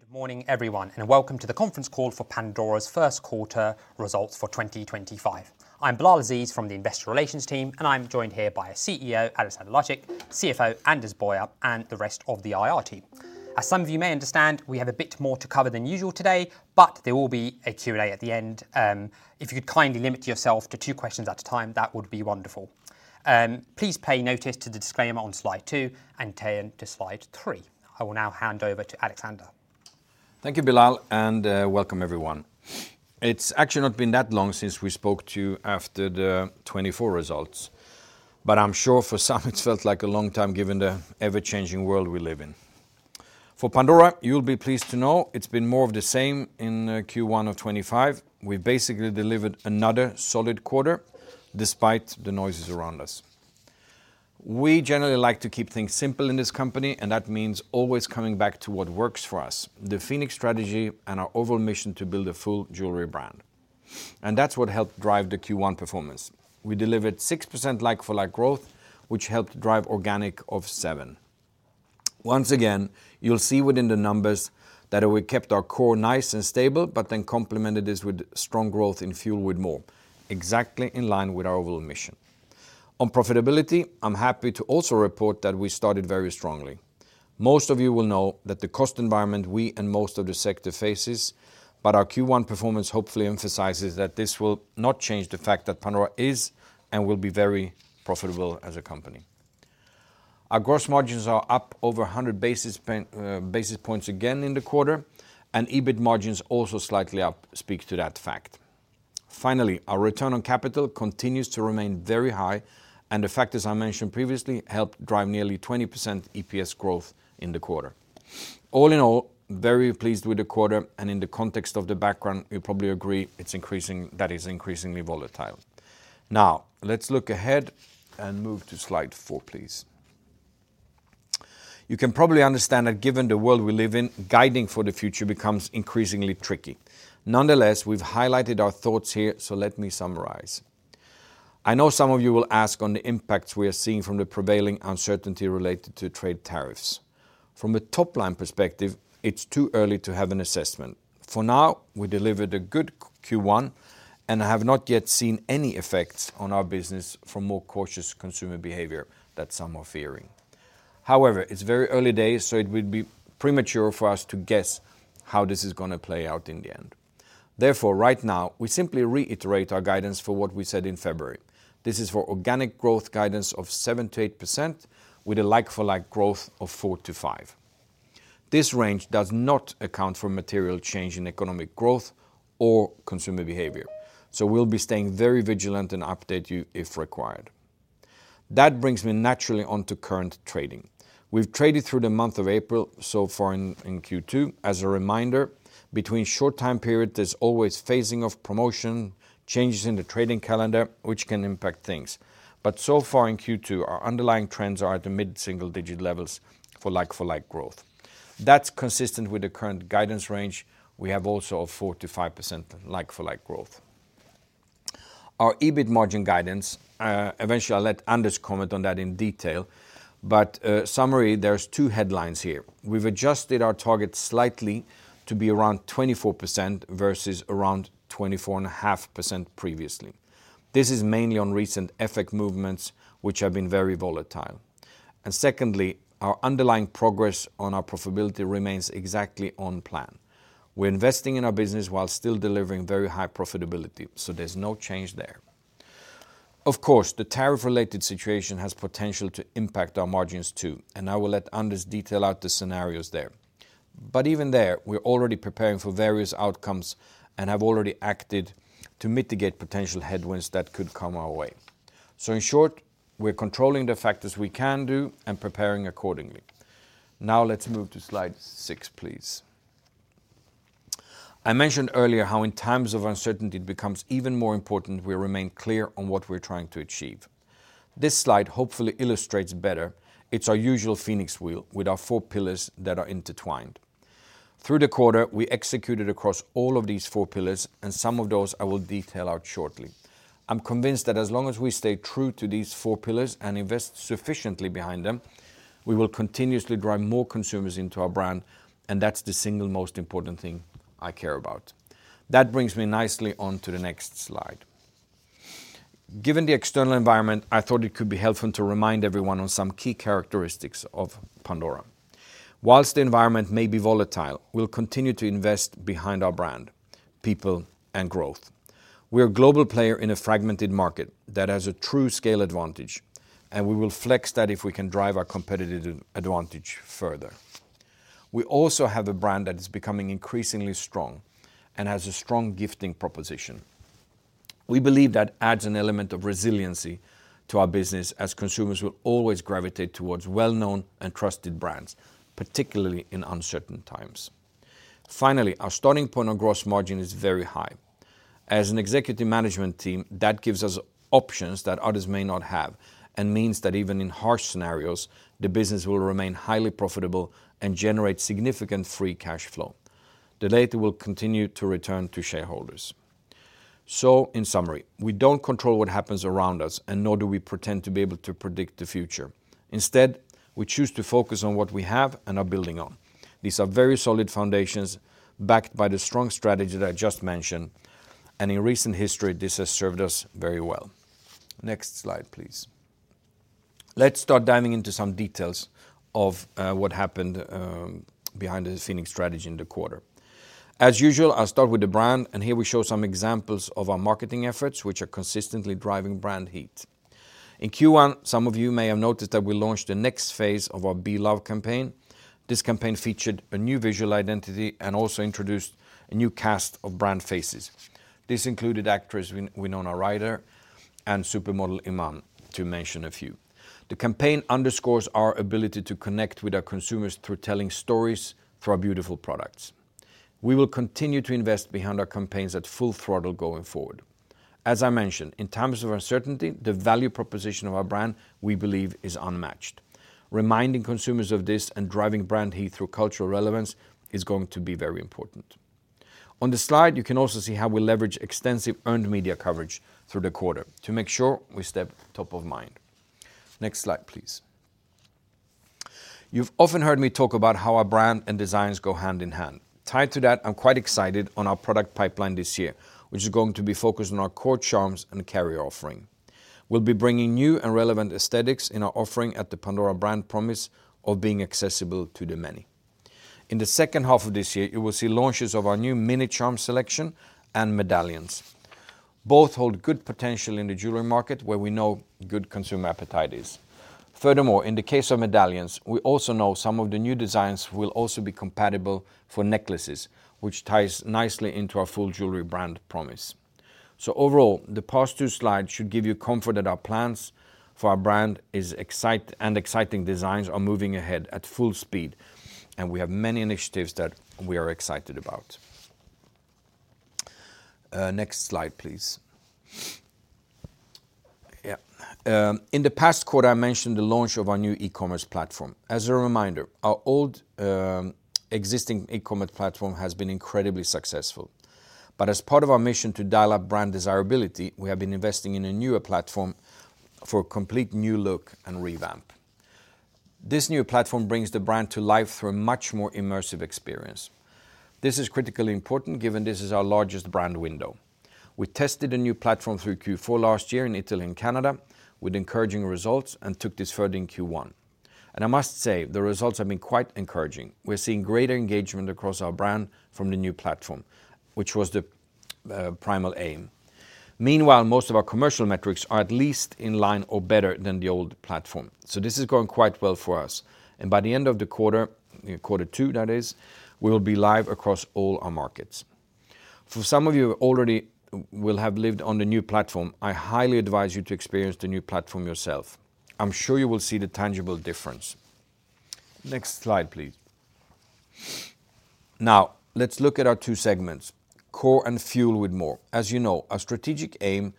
Good morning, everyone, and welcome to the conference call for Pandora's first quarter results for 2025. I'm Bilal Aziz from the Investor Relations team, and I'm joined here by our CEO, Alexander Lacik, CFO, Anders Boyer, and the rest of the IR team. As some of you may understand, we have a bit more to cover than usual today, but there will be a Q&A at the end. If you could kindly limit yourself to two questions at a time, that would be wonderful. Please pay notice to the disclaimer on slide two and turn to slide three. I will now hand over to Alexander. Thank you, Bilal, and welcome, everyone. It's actually not been that long since we spoke to you after the 2024 results, but I'm sure for some it felt like a long time given the ever-changing world we live in. For Pandora, you'll be pleased to know it's been more of the same in Q1 of 2025. We've basically delivered another solid quarter despite the noises around us. We generally like to keep things simple in this company, and that means always coming back to what works for us: the Phoenix strategy and our overall mission to build a full jewelry brand. That's what helped drive the Q1 performance. We delivered 6% like-for-like growth, which helped drive organic of 7. Once again, you'll see within the numbers that we kept our core nice and stable, but then complemented this with strong growth in fuel with more, exactly in line with our overall mission. On profitability, I'm happy to also report that we started very strongly. Most of you will know the cost environment we and most of the sector faces, but our Q1 performance hopefully emphasizes that this will not change the fact that Pandora is and will be very profitable as a company. Our gross margins are up over 100 basis points again in the quarter, and EBIT margins also slightly up speak to that fact. Finally, our return on capital continues to remain very high, and the factors I mentioned previously helped drive nearly 20% EPS growth in the quarter. All in all, very pleased with the quarter, and in the context of the background, you probably agree it's increasing—that is, increasingly volatile. Now, let's look ahead and move to slide four, please. You can probably understand that given the world we live in, guiding for the future becomes increasingly tricky. Nonetheless, we've highlighted our thoughts here, so let me summarize. I know some of you will ask on the impacts we are seeing from the prevailing uncertainty related to trade tariffs. From a top-line perspective, it's too early to have an assessment. For now, we delivered a good Q1, and I have not yet seen any effects on our business from more cautious consumer behavior that some are fearing. However, it's very early days, so it would be premature for us to guess how this is going to play out in the end. Therefore, right now, we simply reiterate our guidance for what we said in February. This is for organic growth guidance of 7%-8%, with a like-for-like growth of 4%-5%. This range does not account for material change in economic growth or consumer behavior, so we'll be staying very vigilant and update you if required. That brings me naturally onto current trading. We've traded through the month of April so far in Q2. As a reminder, between short time periods, there's always phasing of promotion, changes in the trading calendar, which can impact things. So far in Q2, our underlying trends are at the mid-single-digit levels for like-for-like growth. That's consistent with the current guidance range. We have also a 4%-5% like-for-like growth. Our EBIT margin guidance—eventually, I'll let Anders comment on that in detail. Summary, there's two headlines here. We've adjusted our target slightly to be around 24% versus around 24.5% previously. This is mainly on recent FX movements, which have been very volatile. Secondly, our underlying progress on our profitability remains exactly on plan. We're investing in our business while still delivering very high profitability, so there's no change there. Of course, the tariff-related situation has potential to impact our margins too, and I will let Anders detail out the scenarios there. Even there, we're already preparing for various outcomes and have already acted to mitigate potential headwinds that could come our way. In short, we're controlling the factors we can do and preparing accordingly. Now, let's move to slide six, please. I mentioned earlier how in times of uncertainty, it becomes even more important we remain clear on what we're trying to achieve. This slide hopefully illustrates better. It's our usual Phoenix wheel with our four pillars that are intertwined. Through the quarter, we executed across all of these four pillars, and some of those I will detail out shortly. I'm convinced that as long as we stay true to these four pillars and invest sufficiently behind them, we will continuously drive more consumers into our brand, and that's the single most important thing I care about. That brings me nicely on to the next slide. Given the external environment, I thought it could be helpful to remind everyone on some key characteristics of Pandora. Whilst the environment may be volatile, we'll continue to invest behind our brand, people, and growth. We're a global player in a fragmented market that has a true scale advantage, and we will flex that if we can drive our competitive advantage further. We also have a brand that is becoming increasingly strong and has a strong gifting proposition. We believe that adds an element of resiliency to our business as consumers will always gravitate towards well-known and trusted brands, particularly in uncertain times. Finally, our starting point on gross margin is very high. As an executive management team, that gives us options that others may not have and means that even in harsh scenarios, the business will remain highly profitable and generate significant free cash flow. The data will continue to return to shareholders. In summary, we do not control what happens around us, and nor do we pretend to be able to predict the future. Instead, we choose to focus on what we have and are building on. These are very solid foundations backed by the strong strategy that I just mentioned, and in recent history, this has served us very well. Next slide, please. Let's start diving into some details of what happened behind the Phoenix strategy in the quarter. As usual, I'll start with the brand, and here we show some examples of our marketing efforts, which are consistently driving brand heat. In Q1, some of you may have noticed that we launched the next phase of our BE LOVE campaign. This campaign featured a new visual identity and also introduced a new cast of brand faces. This included actress Winona Ryder and supermodel Iman, to mention a few. The campaign underscores our ability to connect with our consumers through telling stories through our beautiful products. We will continue to invest behind our campaigns at full throttle going forward. As I mentioned, in times of uncertainty, the value proposition of our brand we believe is unmatched. Reminding consumers of this and driving brand heat through cultural relevance is going to be very important. On the slide, you can also see how we leverage extensive earned media coverage through the quarter to make sure we stay top of mind. Next slide, please. You've often heard me talk about how our brand and designs go hand in hand. Tied to that, I'm quite excited about our product pipeline this year, which is going to be focused on our core charms and carrier offering. We'll be bringing new and relevant aesthetics in our offering at the Pandora brand promise of being accessible to the many. In the second half of this year, you will see launches of our new mini charm selection and medallions. Both hold good potential in the jewelry market, where we know good consumer appetite is. Furthermore, in the case of medallions, we also know some of the new designs will also be compatible for necklaces, which ties nicely into our full jewelry brand promise. Overall, the past two slides should give you comfort that our plans for our brand and exciting designs are moving ahead at full speed, and we have many initiatives that we are excited about. Next slide, please. Yeah. In the past quarter, I mentioned the launch of our new e-commerce platform. As a reminder, our old existing e-commerce platform has been incredibly successful. As part of our mission to dial up brand desirability, we have been investing in a newer platform for a complete new look and revamp. This new platform brings the brand to life through a much more immersive experience. This is critically important given this is our largest brand window. We tested the new platform through Q4 last year in Italy and Canada with encouraging results and took this further in Q1. I must say, the results have been quite encouraging. We're seeing greater engagement across our brand from the new platform, which was the primal aim. Meanwhile, most of our commercial metrics are at least in line or better than the old platform. This is going quite well for us. By the end of the quarter, quarter two, that is, we'll be live across all our markets. For some of you who already will have lived on the new platform, I highly advise you to experience the new platform yourself. I'm sure you will see the tangible difference. Next slide, please. Now, let's look at our two segments: Core and Fuel with More. As you know, our strategic aim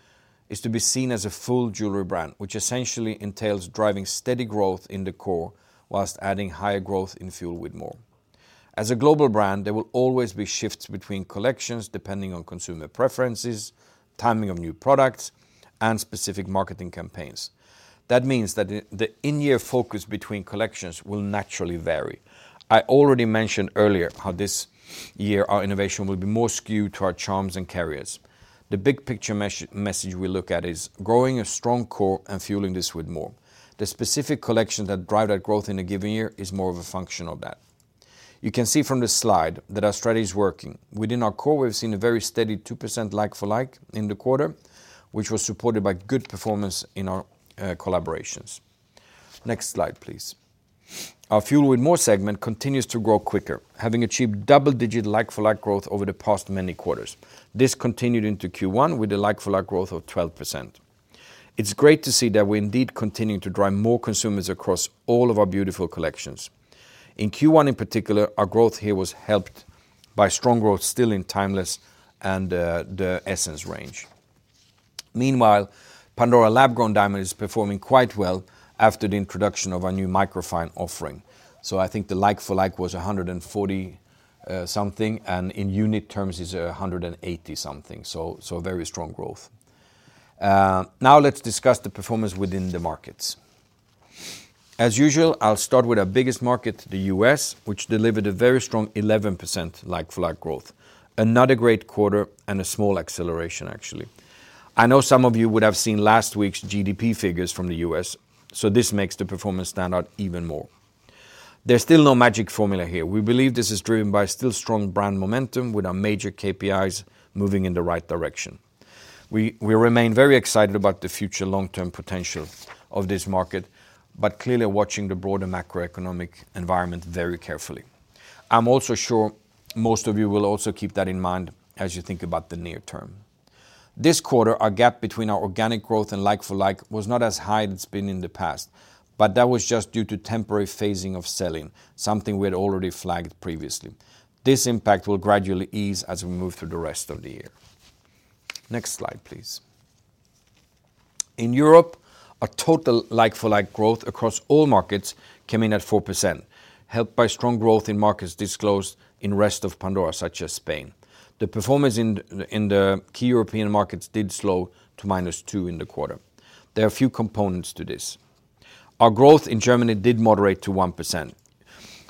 is to be seen as a full jewelry brand, which essentially entails driving steady growth in the Core whilst adding higher growth in Fuel with More. As a global brand, there will always be shifts between collections depending on consumer preferences, timing of new products, and specific marketing campaigns. That means that the in-year focus between collections will naturally vary. I already mentioned earlier how this year our innovation will be more skewed to our charms and carriers. The big picture message we look at is growing a strong Core and Fueling this with More. The specific collection that drives that growth in a given year is more of a function of that. You can see from this slide that our strategy is working. Within our core, we've seen a very steady 2% like-for-like in the quarter, which was supported by good performance in our collaborations. Next slide, please. Our fuel with more segment continues to grow quicker, having achieved double-digit like-for-like growth over the past many quarters. This continued into Q1 with a like-for-like growth of 12%. It's great to see that we indeed continue to drive more consumers across all of our beautiful collections. In Q1, in particular, our growth here was helped by strong growth still in Timeless and the Essence range. Meanwhile, Pandora Lab Grown Diamond is performing quite well after the introduction of our new micro-fine offering. I think the like-for-like was 140 something, and in unit terms, it's 180 something. Very strong growth. Now, let's discuss the performance within the markets. As usual, I'll start with our biggest market, the U.S., which delivered a very strong 11% like-for-like growth. Another great quarter and a small acceleration, actually. I know some of you would have seen last week's GDP figures from the U.S., so this makes the performance stand out even more. There's still no magic formula here. We believe this is driven by still strong brand momentum with our major KPIs moving in the right direction. We remain very excited about the future long-term potential of this market, but clearly watching the broader macro-economic environment very carefully. I'm also sure most of you will also keep that in mind as you think about the near term. This quarter, our gap between our organic growth and like-for-like was not as high as it's been in the past, but that was just due to temporary phasing of selling, something we had already flagged previously. This impact will gradually ease as we move through the rest of the year. Next slide, please. In Europe, our total like-for-like growth across all markets came in at 4%, helped by strong growth in markets disclosed in the rest of Pandora, such as Spain. The performance in the key European markets did slow to -2% in the quarter. There are a few components to this. Our growth in Germany did moderate to 1%,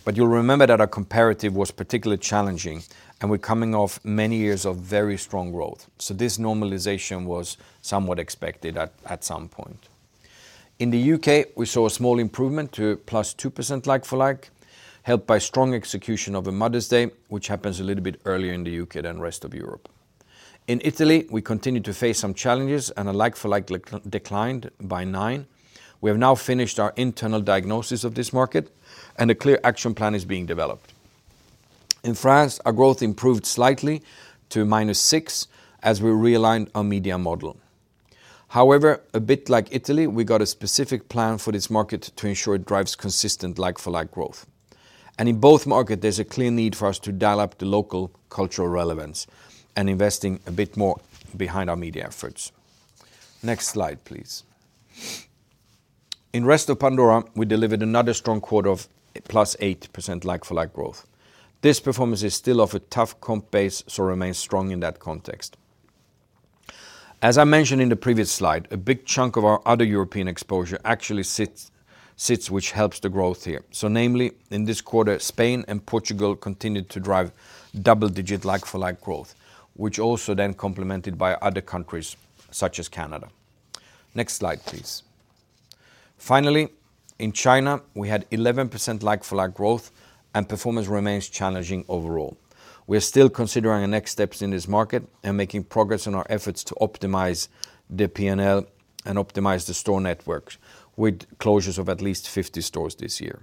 but you'll remember that our comparative was particularly challenging, and we're coming off many years of very strong growth. This normalization was somewhat expected at some point. In the U.K., we saw a small improvement to +2% like-for-like, helped by strong execution of a Mother's Day, which happens a little bit earlier in the U.K., than the rest of Europe. In Italy, we continue to face some challenges, and our like-for-like declined by 9%. We have now finished our internal diagnosis of this market, and a clear action plan is being developed. In France, our growth improved slightly to -6% as we realigned our media model. A bit like Italy, we got a specific plan for this market to ensure it drives consistent like-for-like growth. In both markets, there is a clear need for us to dial up the local cultural relevance and invest a bit more behind our media efforts. Next slide, please. In the rest of Pandora, we delivered another strong quarter of +8% like-for-like growth. This performance is still off a tough comp base, so it remains strong in that context. As I mentioned in the previous slide, a big chunk of our other European exposure actually sits, which helps the growth here. Namely, in this quarter, Spain and Portugal continued to drive double-digit like-for-like growth, which also then complemented by other countries such as Canada. Next slide, please. Finally, in China, we had 11% like-for-like growth, and performance remains challenging overall. We are still considering our next steps in this market and making progress on our efforts to optimize the P&L and optimize the store networks with closures of at least 50 stores this year.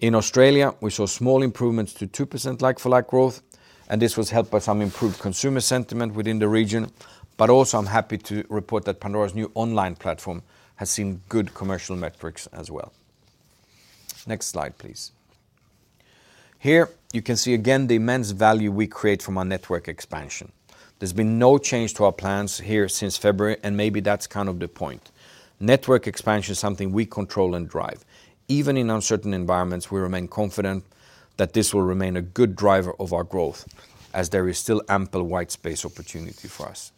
In Australia, we saw small improvements to 2% like-for-like growth, and this was helped by some improved consumer sentiment within the region. Also, I am happy to report that Pandora's new online platform has seen good commercial metrics as well. Next slide, please. Here, you can see again the immense value we create from our network expansion. There has been no change to our plans here since February, and maybe that is kind of the point. Network expansion is something we control and drive. Even in uncertain environments, we remain confident that this will remain a good driver of our growth as there is still ample white space opportunity for us.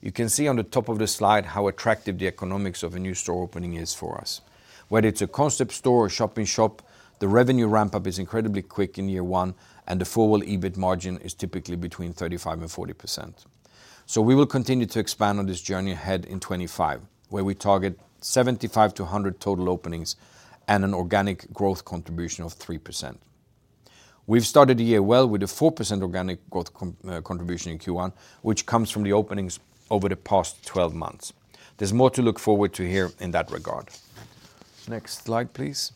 You can see on the top of the slide how attractive the economics of a new store opening is for us. Whether it's a concept store or shop-in-shop, the revenue ramp-up is incredibly quick in year one, and the forward EBIT margin is typically between 35% and 40%. We will continue to expand on this journey ahead in 2025, where we target 75-100 total openings and an organic growth contribution of 3%. We've started the year well with a 4% organic growth contribution in Q1, which comes from the openings over the past 12 months. There's more to look forward to here in that regard. Next slide, please.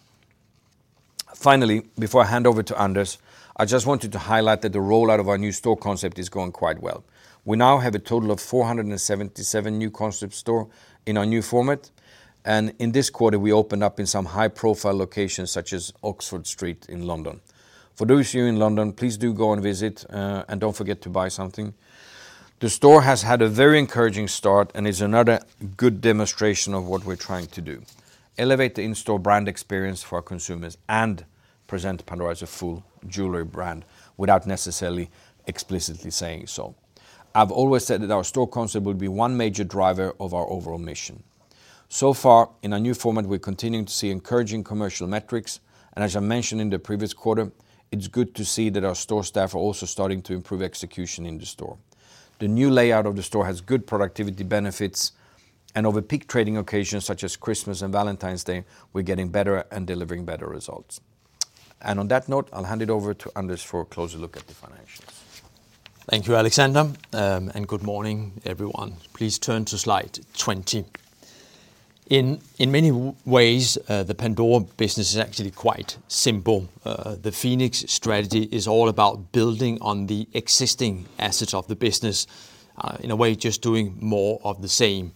Finally, before I hand over to Anders, I just wanted to highlight that the rollout of our new store concept is going quite well. We now have a total of 477 new concept stores in our new format, and in this quarter, we opened up in some high-profile locations such as Oxford Street in London. For those of you in London, please do go and visit, and don't forget to buy something. The store has had a very encouraging start and is another good demonstration of what we're trying to do: elevate the in-store brand experience for our consumers and present Pandora as a full jewelry brand without necessarily explicitly saying so. I've always said that our store concept will be one major driver of our overall mission. So far, in our new format, we're continuing to see encouraging commercial metrics, and as I mentioned in the previous quarter, it's good to see that our store staff are also starting to improve execution in the store. The new layout of the store has good productivity benefits, and over peak trading occasions such as Christmas and Valentine's Day, we're getting better and delivering better results. On that note, I'll hand it over to Anders for a closer look at the financials. Thank you, Alexander, and good morning, everyone. Please turn to slide 20. In many ways, the Pandora business is actually quite simple. The Phoenix strategy is all about building on the existing assets of the business, in a way, just doing more of the same.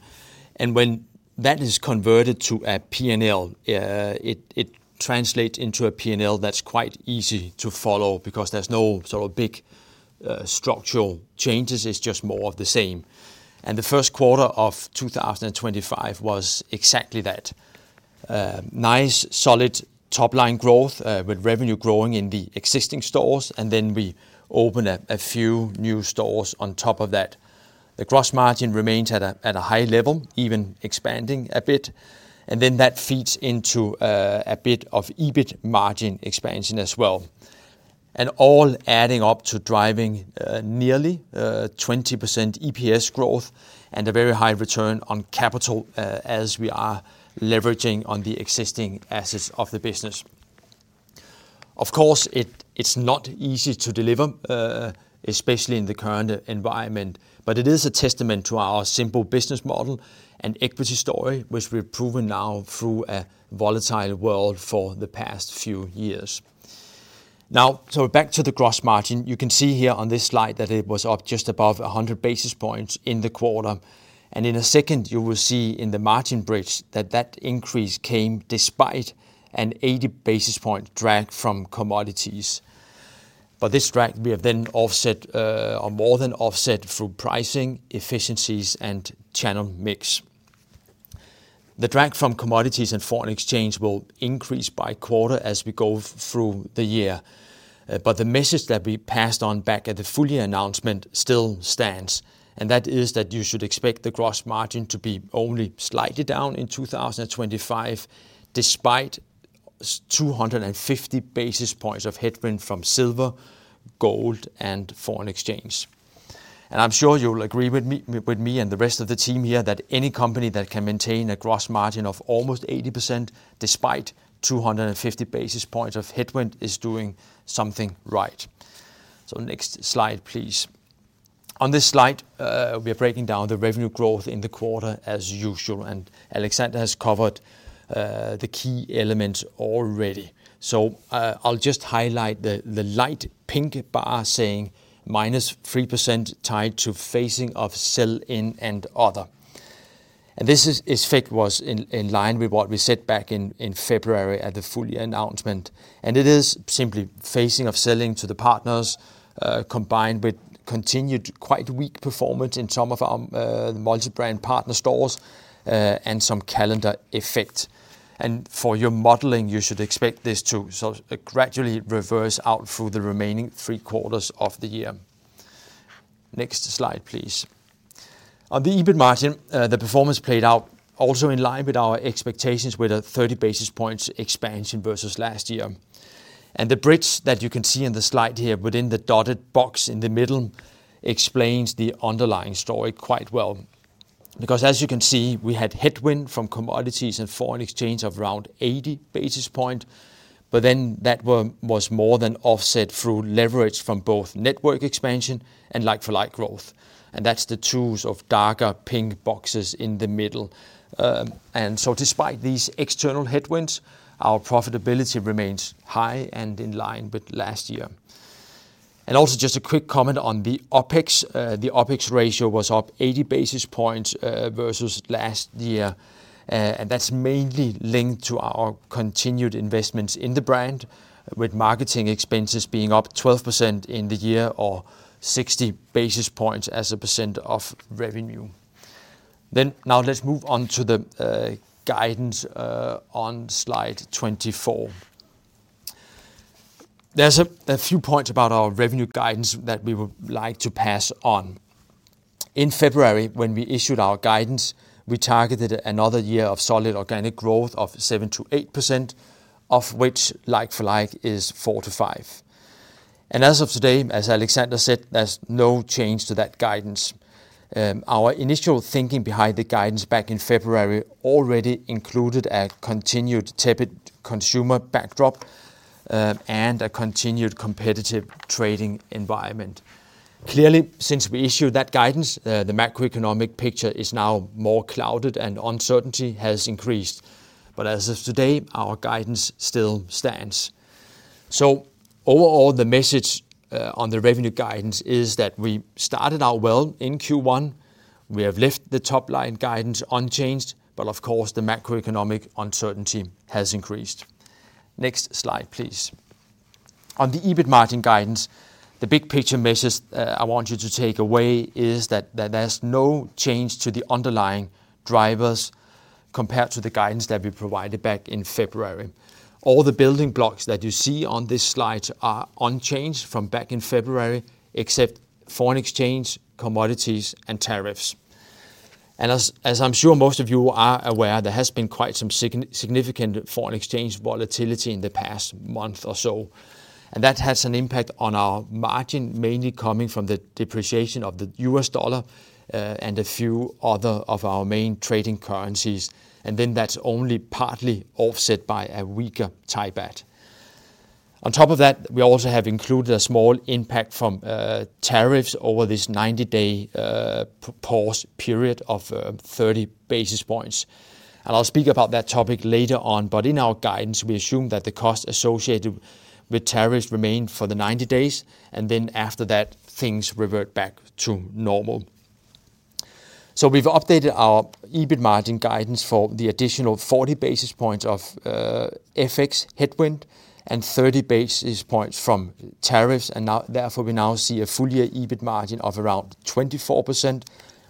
When that is converted to a P&L, it translates into a P&L that is quite easy to follow because there is no sort of big structural changes. It is just more of the same. The first quarter of 2025 was exactly that: nice, solid top-line growth with revenue growing in the existing stores, and then we opened a few new stores on top of that. The gross margin remains at a high level, even expanding a bit, and then that feeds into a bit of EBIT margin expansion as well, all adding up to driving nearly 20% EPS growth and a very high return on capital as we are leveraging on the existing assets of the business. Of course, it's not easy to deliver, especially in the current environment, but it is a testament to our simple business model and equity story, which we've proven now through a volatile world for the past few years. Now, back to the gross margin, you can see here on this slide that it was up just above 100 basis points in the quarter. In a second, you will see in the margin bridge that that increase came despite an 80 basis point drag from commodities. This drag, we have then offset or more than offset through pricing, efficiencies, and channel mix. The drag from commodities and foreign exchange will increase by quarter as we go through the year. The message that we passed on back at the full year announcement still stands, and that is that you should expect the gross margin to be only slightly down in 2025 despite 250 basis points of headwind from silver, gold, and foreign exchange. I'm sure you'll agree with me and the rest of the team here that any company that can maintain a gross margin of almost 80% despite 250 basis points of headwind is doing something right. Next slide, please. On this slide, we are breaking down the revenue growth in the quarter as usual, and Alexander has covered the key elements already. I'll just highlight the light pink bar saying -3% tied to phasing of sell-in and other. This effect was in line with what we said back in February at the full year announcement. It is simply phasing of selling to the partners combined with continued quite weak performance in some of our multi-brand partner stores and some calendar effect. For your modeling, you should expect this to gradually reverse out through the remaining three quarters of the year. Next slide, please. On the EBIT margin, the performance played out also in line with our expectations with a 30 basis points expansion versus last year. The bridge that you can see in the slide here within the dotted box in the middle explains the underlying story quite well. Because as you can see, we had headwind from commodities and foreign exchange of around 80 basis points, but then that was more than offset through leverage from both network expansion and like-for-like growth. That is the tools of darker pink boxes in the middle. Despite these external headwinds, our profitability remains high and in line with last year. Also, just a quick comment on the OpEx. The OpEx ratio was up 80 basis points versus last year, and that's mainly linked to our continued investments in the brand, with marketing expenses being up 12% in the year or 60 basis points as a percent of revenue. Now let's move on to the guidance on slide 24. There are a few points about our revenue guidance that we would like to pass on. In February, when we issued our guidance, we targeted another year of solid organic growth of 7%-8%, of which like-for-like is 4%-5%. As of today, as Alexander said, there is no change to that guidance. Our initial thinking behind the guidance back in February already included a continued tepid consumer backdrop and a continued competitive trading environment. Clearly, since we issued that guidance, the macro-economic picture is now more clouded and uncertainty has increased. As of today, our guidance still stands. Overall, the message on the revenue guidance is that we started out well in Q1. We have left the top-line guidance unchanged, of course, the macro-economic uncertainty has increased. Next slide, please. On the EBIT margin guidance, the big picture message I want you to take away is that there is no change to the underlying drivers compared to the guidance that we provided back in February. All the building blocks that you see on this slide are unchanged from back in February, except foreign exchange, commodities, and tariffs. As I'm sure most of you are aware, there has been quite some significant foreign exchange volatility in the past month or so. That has an impact on our margin, mainly coming from the depreciation of the US dollar and a few other of our main trading currencies. That is only partly offset by a weaker Thai baht. On top of that, we also have included a small impact from tariffs over this 90-day pause period of 30 basis points. I'll speak about that topic later on, but in our guidance, we assume that the cost associated with tariffs remains for the 90 days, and after that, things revert back to normal. We have updated our EBIT margin guidance for the additional 40 basis points of FX headwind and 30 basis points from tariffs. Therefore, we now see a full year EBIT margin of around 24%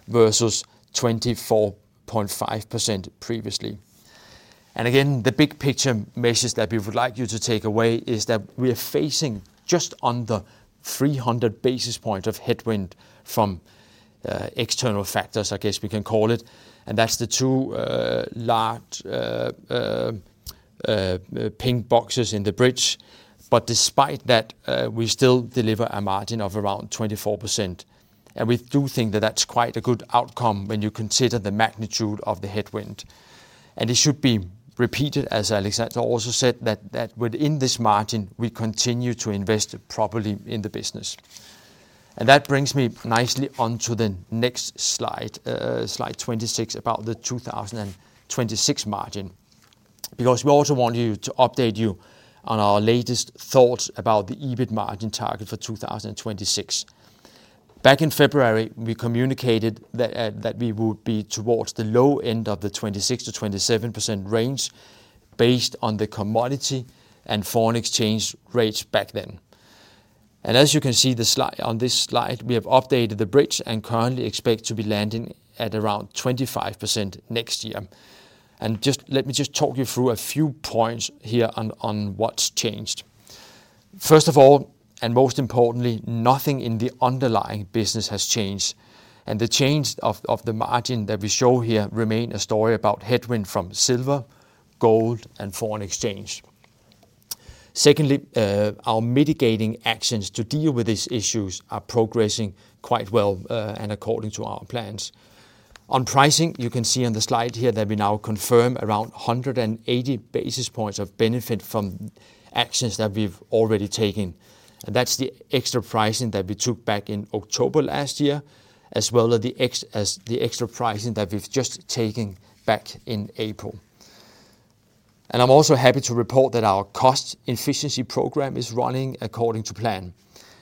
versus 24.5% previously. The big picture message that we would like you to take away is that we are facing just under 300 basis points of headwind from external factors, I guess we can call it. That is the two large pink boxes in the bridge. Despite that, we still deliver a margin of around 24%. We do think that is quite a good outcome when you consider the magnitude of the headwind. It should be repeated, as Alexander also said, that within this margin, we continue to invest properly in the business. That brings me nicely on to the next slide, slide 26, about the 2026 margin. We also want to update you on our latest thoughts about the EBIT margin target for 2026. Back in February, we communicated that we would be towards the low end of the 26%-27% range based on the commodity and foreign exchange rates back then. As you can see on this slide, we have updated the bridge and currently expect to be landing at around 25% next year. Let me just talk you through a few points here on what's changed. First of all, and most importantly, nothing in the underlying business has changed. The change of the margin that we show here remains a story about headwind from silver, gold, and foreign exchange. Secondly, our mitigating actions to deal with these issues are progressing quite well and according to our plans. On pricing, you can see on the slide here that we now confirm around 180 basis points of benefit from actions that we've already taken. That is the extra pricing that we took back in October last year, as well as the extra pricing that we have just taken back in April. I am also happy to report that our cost efficiency program is running according to plan,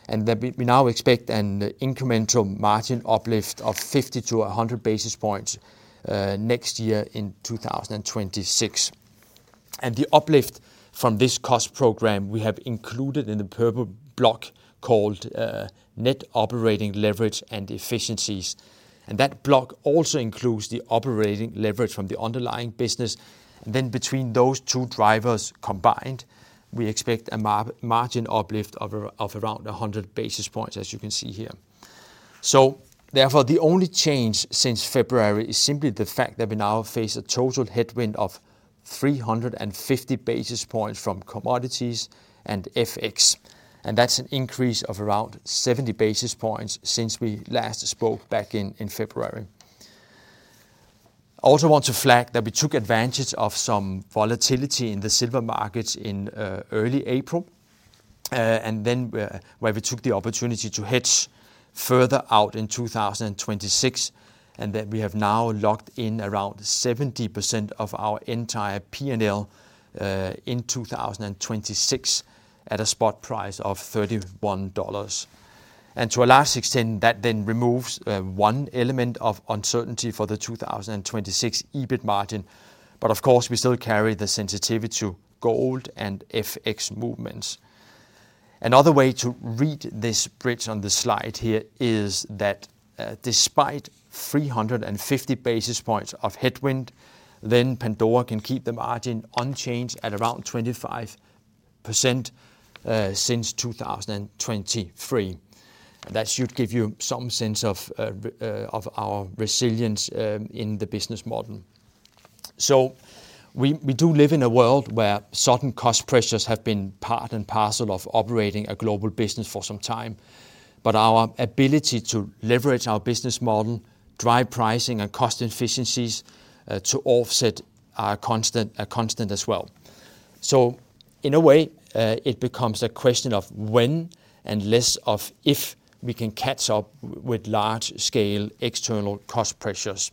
and that we now expect an incremental margin uplift of 50-100 basis points next year in 2026. The uplift from this cost program is included in the purple block called net operating leverage and efficiencies. That block also includes the operating leverage from the underlying business. Between those two drivers combined, we expect a margin uplift of around 100 basis points, as you can see here. Therefore, the only change since February is simply the fact that we now face a total headwind of 350 basis points from commodities and FX. That is an increase of around 70 basis points since we last spoke back in February. I also want to flag that we took advantage of some volatility in the silver markets in early April, and then we took the opportunity to hedge further out in 2026, and that we have now locked in around 70% of our entire P&L in 2026 at a spot price of $31. To a large extent, that then removes one element of uncertainty for the 2026 EBIT margin. Of course, we still carry the sensitivity to gold and FX movements. Another way to read this bridge on the slide here is that despite 350 basis points of headwind, Pandora can keep the margin unchanged at around 25% since 2023. That should give you some sense of our resilience in the business model. We do live in a world where certain cost pressures have been part and parcel of operating a global business for some time, but our ability to leverage our business model, drive pricing, and cost efficiencies to offset are constant as well. In a way, it becomes a question of when and less of if we can catch up with large-scale external cost pressures.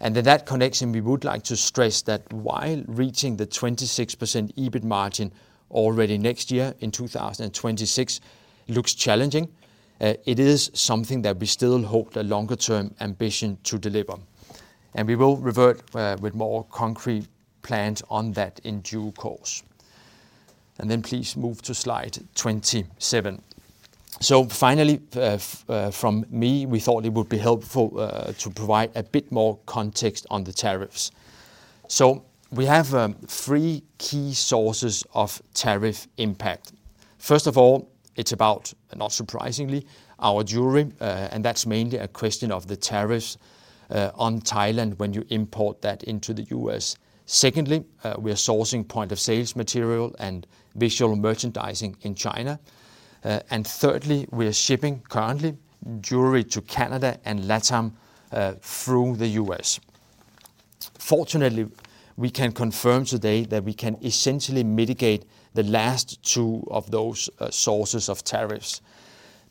In that connection, we would like to stress that while reaching the 26% EBIT margin already next year in 2026 looks challenging, it is something that we still hold a longer-term ambition to deliver. We will revert with more concrete plans on that in due course. Please move to slide 27. Finally, from me, we thought it would be helpful to provide a bit more context on the tariffs. We have three key sources of tariff impact. First of all, it's about, not surprisingly, our jewelry, and that's mainly a question of the tariffs on Thailand when you import that into the U.S. Secondly, we are sourcing point-of-sale material and visual merchandising in China. Thirdly, we are shipping currently jewelry to Canada and Latin America through the U.S. Fortunately, we can confirm today that we can essentially mitigate the last two of those sources of tariffs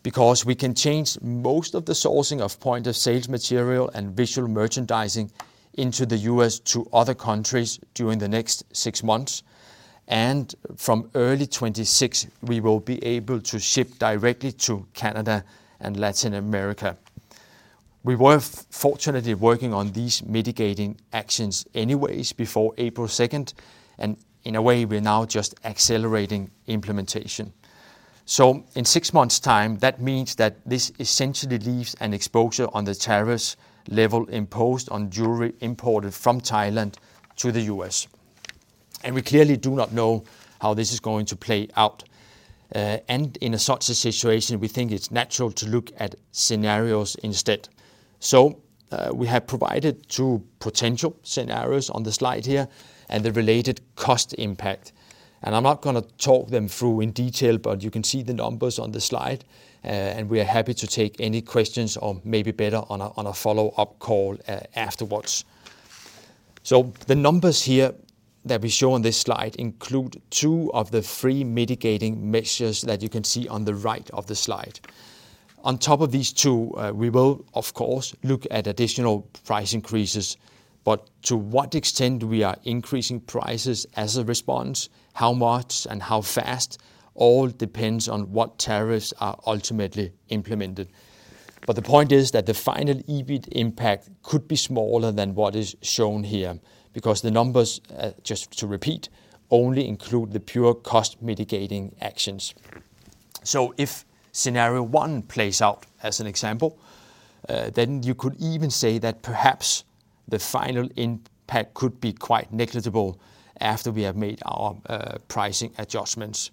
because we can change most of the sourcing of point-of-sale material and visual merchandising into the U.S., to other countries during the next six months. From early 2026, we will be able to ship directly to Canada and Latin America. We were fortunately working on these mitigating actions anyways before April 2, and in a way, we're now just accelerating implementation. In six months' time, that means that this essentially leaves an exposure on the tariffs level imposed on jewelry imported from Thailand to the U.S. We clearly do not know how this is going to play out. In such a situation, we think it is natural to look at scenarios instead. We have provided two potential scenarios on the slide here and the related cost impact. I am not going to talk them through in detail, but you can see the numbers on the slide, and we are happy to take any questions or maybe better on a follow-up call afterwards. The numbers here that we show on this slide include two of the three mitigating measures that you can see on the right of the slide. On top of these two, we will, of course, look at additional price increases, but to what extent we are increasing prices as a response, how much, and how fast, all depends on what tariffs are ultimately implemented. The point is that the final EBIT impact could be smaller than what is shown here because the numbers, just to repeat, only include the pure cost mitigating actions. If scenario one plays out as an example, then you could even say that perhaps the final impact could be quite negligible after we have made our pricing adjustments.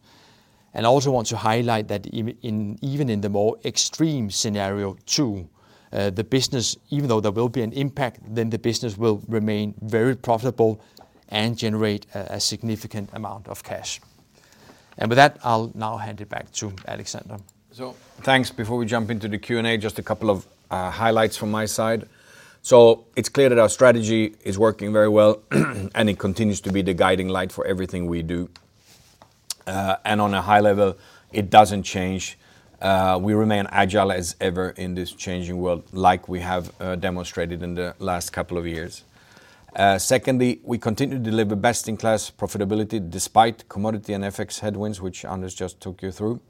I also want to highlight that even in the more extreme scenario two, the business, even though there will be an impact, then the business will remain very profitable and generate a significant amount of cash. With that, I'll now hand it back to Alexander. Thanks. Before we jump into the Q&A, just a couple of highlights from my side. It is clear that our strategy is working very well, and it continues to be the guiding light for everything we do. On a high level, it does not change. We remain agile as ever in this changing world, like we have demonstrated in the last couple of years. Secondly, we continue to deliver best-in-class profitability despite commodity and FX headwinds, which Anders just took you through.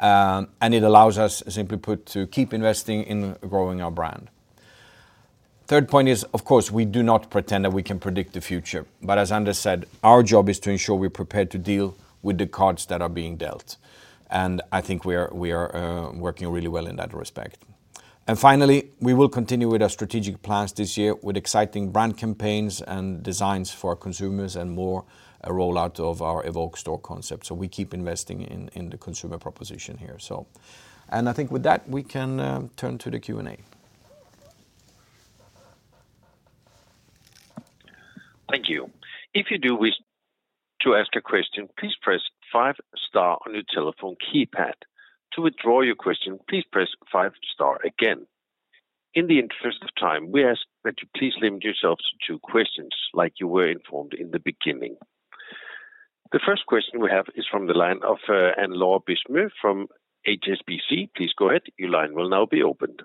It allows us, simply put, to keep investing in growing our brand. The third point is, of course, we do not pretend that we can predict the future. As Anders said, our job is to ensure we are prepared to deal with the cards that are being dealt. I think we are working really well in that respect. Finally, we will continue with our strategic plans this year with exciting brand campaigns and designs for consumers and more rollout of our Evoke 2.0 store concept. We keep investing in the consumer proposition here. I think with that, we can turn to the Q&A. Thank you. If you do wish to ask a question, please press five-star on your telephone keypad. To withdraw your question, please press five-star again. In the interest of time, we ask that you please limit yourselves to questions like you were informed in the beginning. The first question we have is from the line of Anne-Laure Bismuth from HSBC. Please go ahead. Your line will now be opened.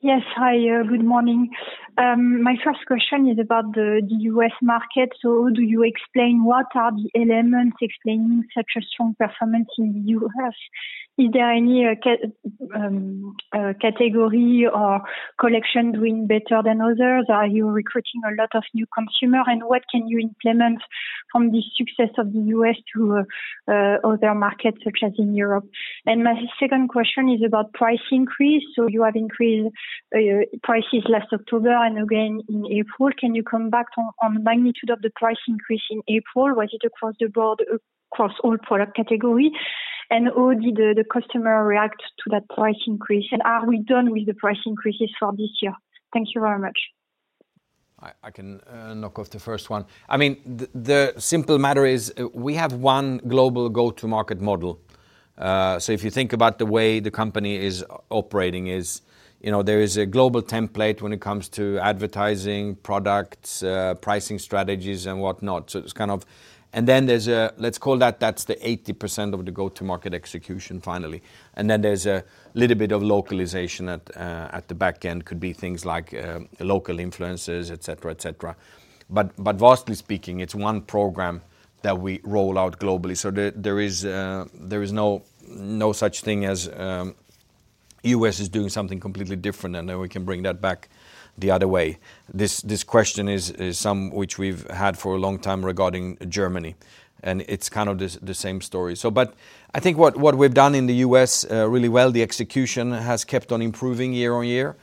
Yes, hi. Good morning. My first question is about the US market. Do you explain what are the elements explaining such a strong performance in the U.S.? Is there any category or collection doing better than others? Are you recruiting a lot of new consumers? What can you implement from the success of the U.S., to other markets such as in Europe? My second question is about price increase. You have increased prices last October and again in April. Can you come back on the magnitude of the price increase in April? Was it across the board, across all product categories? How did the customer react to that price increase? Are we done with the price increases for this year? Thank you very much. I can knock off the first one. I mean, the simple matter is we have one global go-to-market model. If you think about the way the company is operating, there is a global template when it comes to advertising, products, pricing strategies, and whatnot. It's kind of, and then there's, let's call that, that's the 80% of the go-to-market execution finally. Then there's a little bit of localization at the back end. It could be things like local influencers, etc., etc. Vastly speaking, it's one program that we roll out globally. There is no such thing as the U.S. is doing something completely different, and then we can bring that back the other way. This question is some which we've had for a long time regarding Germany. It's kind of the same story. I think what we've done in the U.S. really well, the execution has kept on improving year on year.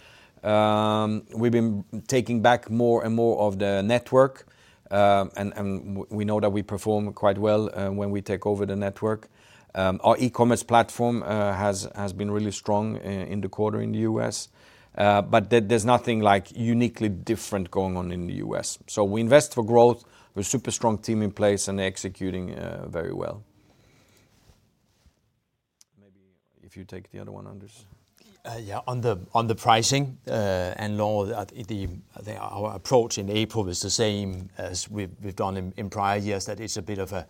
We've been taking back more and more of the network, and we know that we perform quite well when we take over the network. Our e-commerce platform has been really strong in the quarter in the U.S. There's nothing uniquely different going on in the U.S. We invest for growth. We're a super strong team in place and executing very well. Maybe if you take the other one, Anders. Yeah, on the pricing, Anne-Laure, our approach in April is the same as we've done in prior years, that it's a bit of a,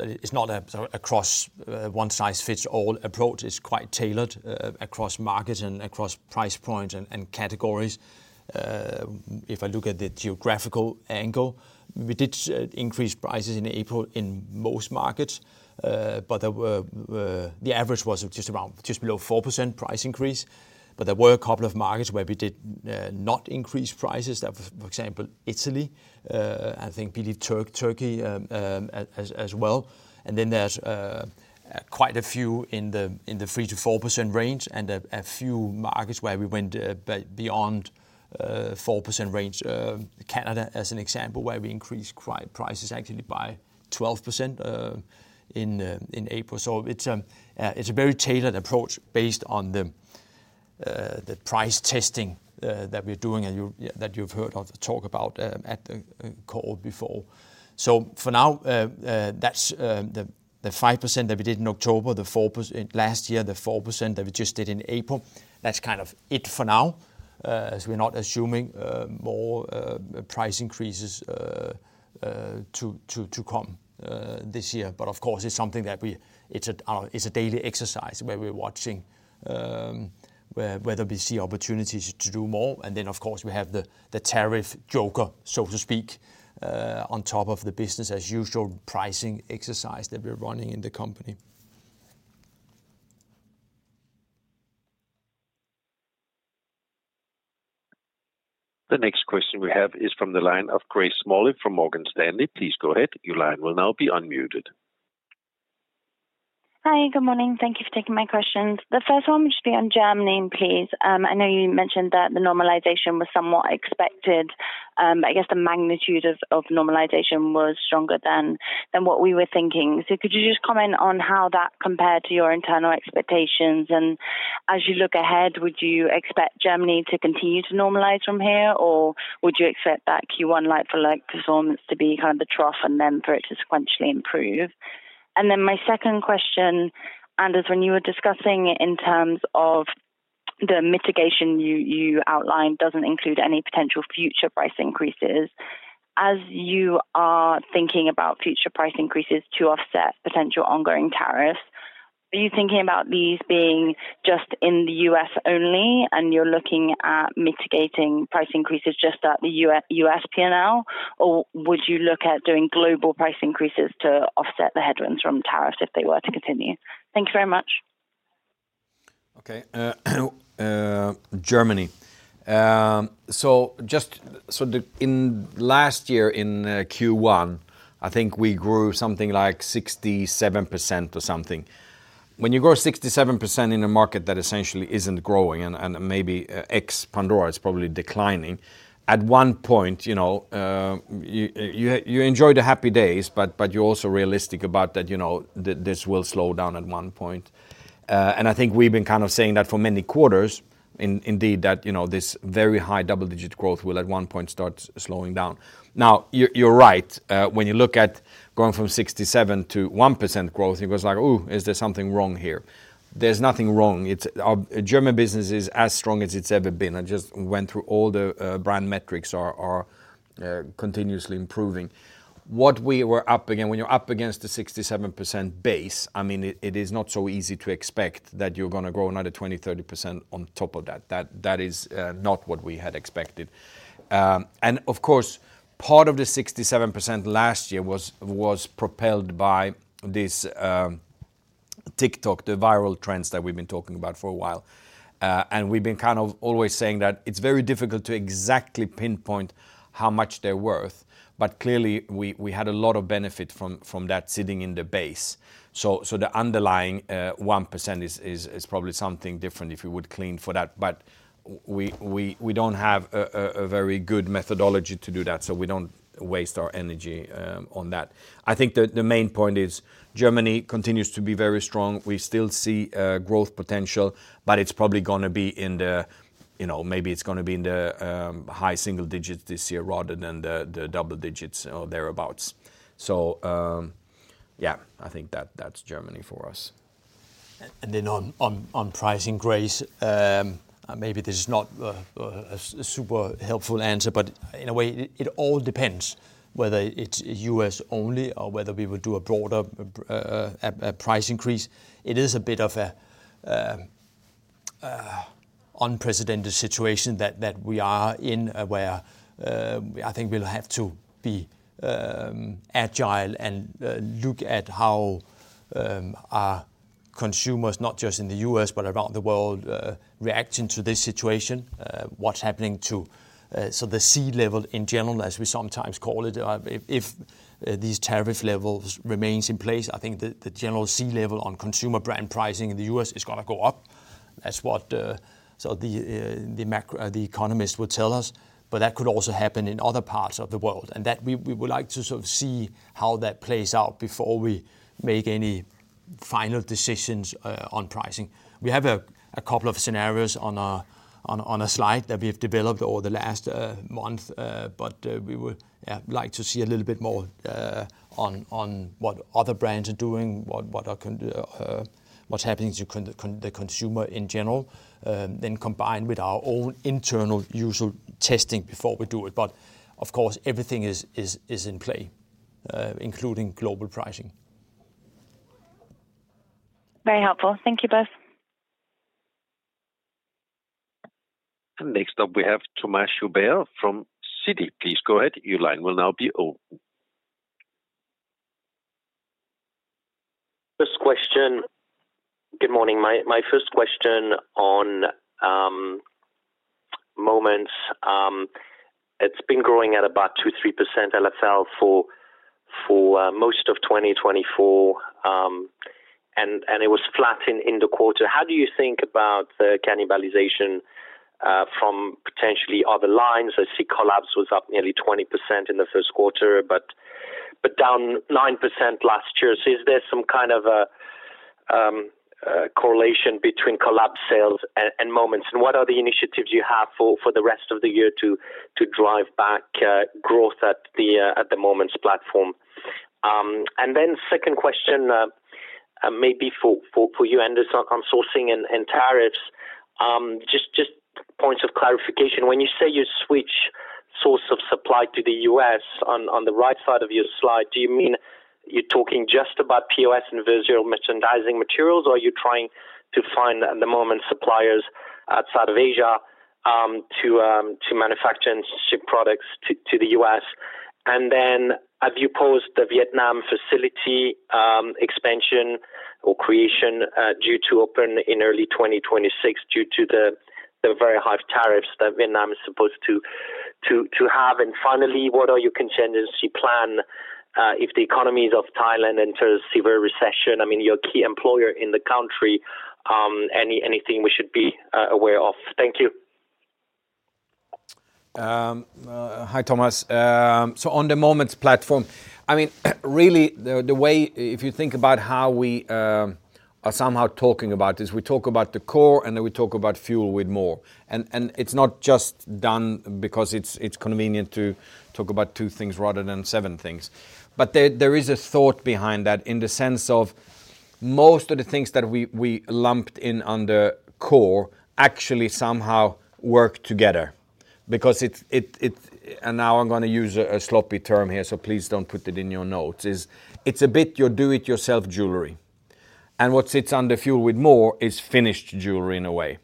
it's not a one-size-fits-all approach. It's quite tailored across markets and across price points and categories. If I look at the geographical angle, we did increase prices in April in most markets, but the average was just below 4% price increase. There were a couple of markets where we did not increase prices. That was, for example, Italy. I think Turkey as well. There are quite a few in the 3%-4% range and a few markets where we went beyond the 4% range. Canada as an example where we increased prices actually by 12% in April. It is a very tailored approach based on the price testing that we're doing and that you've heard of the talk about at the call before. For now, that's the 5% that we did in October, the 4% last year, the 4% that we just did in April. That is kind of it for now. We're not assuming more price increases to come this year. Of course, it's something that is a daily exercise where we're watching whether we see opportunities to do more. Of course, we have the tariff joker, so to speak, on top of the business-as-usual pricing exercise that we're running in the company. The next question we have is from the line of Grace Smalley from Morgan Stanley. Please go ahead. Your line will now be unmuted. Hi, good morning. Thank you for taking my questions. The first one would just be on Germany, please. I know you mentioned that the normalization was somewhat expected. I guess the magnitude of normalization was stronger than what we were thinking. Could you just comment on how that compared to your internal expectations? As you look ahead, would you expect Germany to continue to normalize from here, or would you expect that Q1 like-for-like performance to be kind of the trough and then for it to sequentially improve? My second question, Anders, when you were discussing it in terms of the mitigation you outlined, does it include any potential future price increases? As you are thinking about future price increases to offset potential ongoing tariffs, are you thinking about these being just in the U.S. only? And you're looking at mitigating price increases just at the U.S. P&L, or would you look at doing global price increases to offset the headwinds from tariffs if they were to continue? Thank you very much. Okay, Germany. In last year in Q1, I think we grew something like 67% or something. When you grow 67% in a market that essentially isn't growing and maybe ex-Pandora is probably declining, at one point, you enjoy the happy days, but you're also realistic about that this will slow down at one point. I think we've been kind of saying that for many quarters, indeed, that this very high double-digit growth will at one point start slowing down. Now, you're right. When you look at going from 67% to 1% growth, it was like, "Ooh, is there something wrong here?" There's nothing wrong. German business is as strong as it's ever been. I just went through all the brand metrics are continuously improving. What we were up against, when you're up against the 67% base, I mean, it is not so easy to expect that you're going to grow another 20%, 30% on top of that. That is not what we had expected. Part of the 67% last year was propelled by this TikTok, the viral trends that we've been talking about for a while. We've been kind of always saying that it's very difficult to exactly pinpoint how much they're worth, but clearly we had a lot of benefit from that sitting in the base. The underlying 1% is probably something different if you would clean for that. We do not have a very good methodology to do that, so we do not waste our energy on that. I think the main point is Germany continues to be very strong. We still see growth potential, but it is probably going to be in the, maybe it is going to be in the high single-digits this year rather than the double-digits or thereabouts. Yeah, I think that is Germany for us. On pricing, Grace, maybe this is not a super helpful answer, but in a way, it all depends whether it is U.S., only or whether we would do a broader price increase. It is a bit of an unprecedented situation that we are in where I think we'll have to be agile and look at how our consumers, not just in the U.S., but around the world, react to this situation, what's happening to the sea level in general, as we sometimes call it. If these tariff levels remain in place, I think the general sea level on consumer brand pricing in the U.S., is going to go up. That's what the economists will tell us. That could also happen in other parts of the world. We would like to sort of see how that plays out before we make any final decisions on pricing. We have a couple of scenarios on a slide that we've developed over the last month, but we would like to see a little bit more on what other brands are doing, what's happening to the consumer in general, then combined with our own internal usual testing before we do it. Of course, everything is in play, including global pricing. Very helpful. Thank you both. Next up, we have Thomas Chauvet from Citi. Please go ahead. Your line will now be open. First question. Good morning. My first question on Moments. It's been growing at about 2%-3% LFL for most of 2024, and it was flat in the quarter. How do you think about the cannibalization from potentially other lines? I see collapse was up nearly 20% in the first quarter, but down 9% last year. Is there some kind of a correlation between collapse sales and Moments? What are the initiatives you have for the rest of the year to drive back growth at the Moments platform? Second question, maybe for you, Anders, on sourcing and tariffs, just points of clarification. When you say you switch source of supply to the U.S., on the right side of your slide, do you mean you're talking just about POS and virtual merchandising materials, or are you trying to find at the moment suppliers outside of Asia to manufacture and ship products to the U.S.? Have you paused the Vietnam facility expansion or creation due to open in early 2026 due to the very high tariffs that Vietnam is supposed to have? Finally, what are your contingency plan if the economies of Thailand enter a severe recession? I mean, your key employer in the country, anything we should be aware of? Thank you. Hi, Thomas. On the Moments platform, I mean, really, the way if you think about how we are somehow talking about this, we talk about the core and then we talk about fuel with more. It is not just done because it is convenient to talk about two things rather than seven things. There is a thought behind that in the sense of most of the things that we lumped in under core actually somehow work together. Because it is—and now I am going to use a sloppy term here, so please do not put it in your notes—it is a bit your do-it-yourself jewelry. What sits under fuel with more is finished jewelry in a way.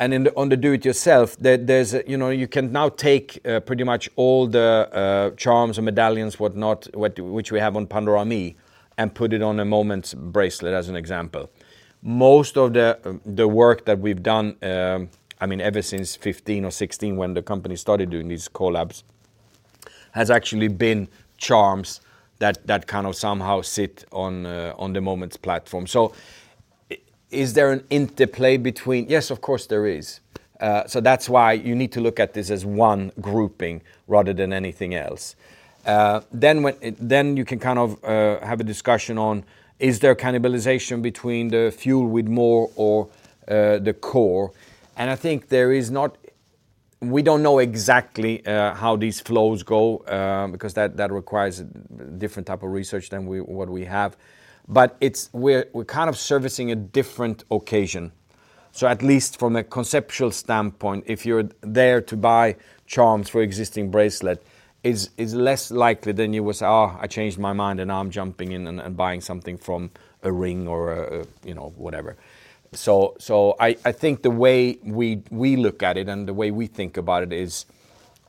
On the do-it-yourself, you can now take pretty much all the charms and medallions, whatnot, which we have on Pandora Me, and put it on a Moments bracelet as an example. Most of the work that we've done, I mean, ever since 2015 or 2016 when the company started doing these collabs, has actually been charms that kind of somehow sit on the Moments platform. Is there an interplay between? Yes, of course there is. That is why you need to look at this as one grouping rather than anything else. You can kind of have a discussion on, is there cannibalization between the fuel with more or the core? I think there is not—we do not know exactly how these flows go because that requires a different type of research than what we have. We are kind of servicing a different occasion. At least from a conceptual standpoint, if you're there to buy charms for existing bracelets, it's less likely than you would say, "Oh, I changed my mind and now I'm jumping in and buying something from a ring or whatever." I think the way we look at it and the way we think about it is,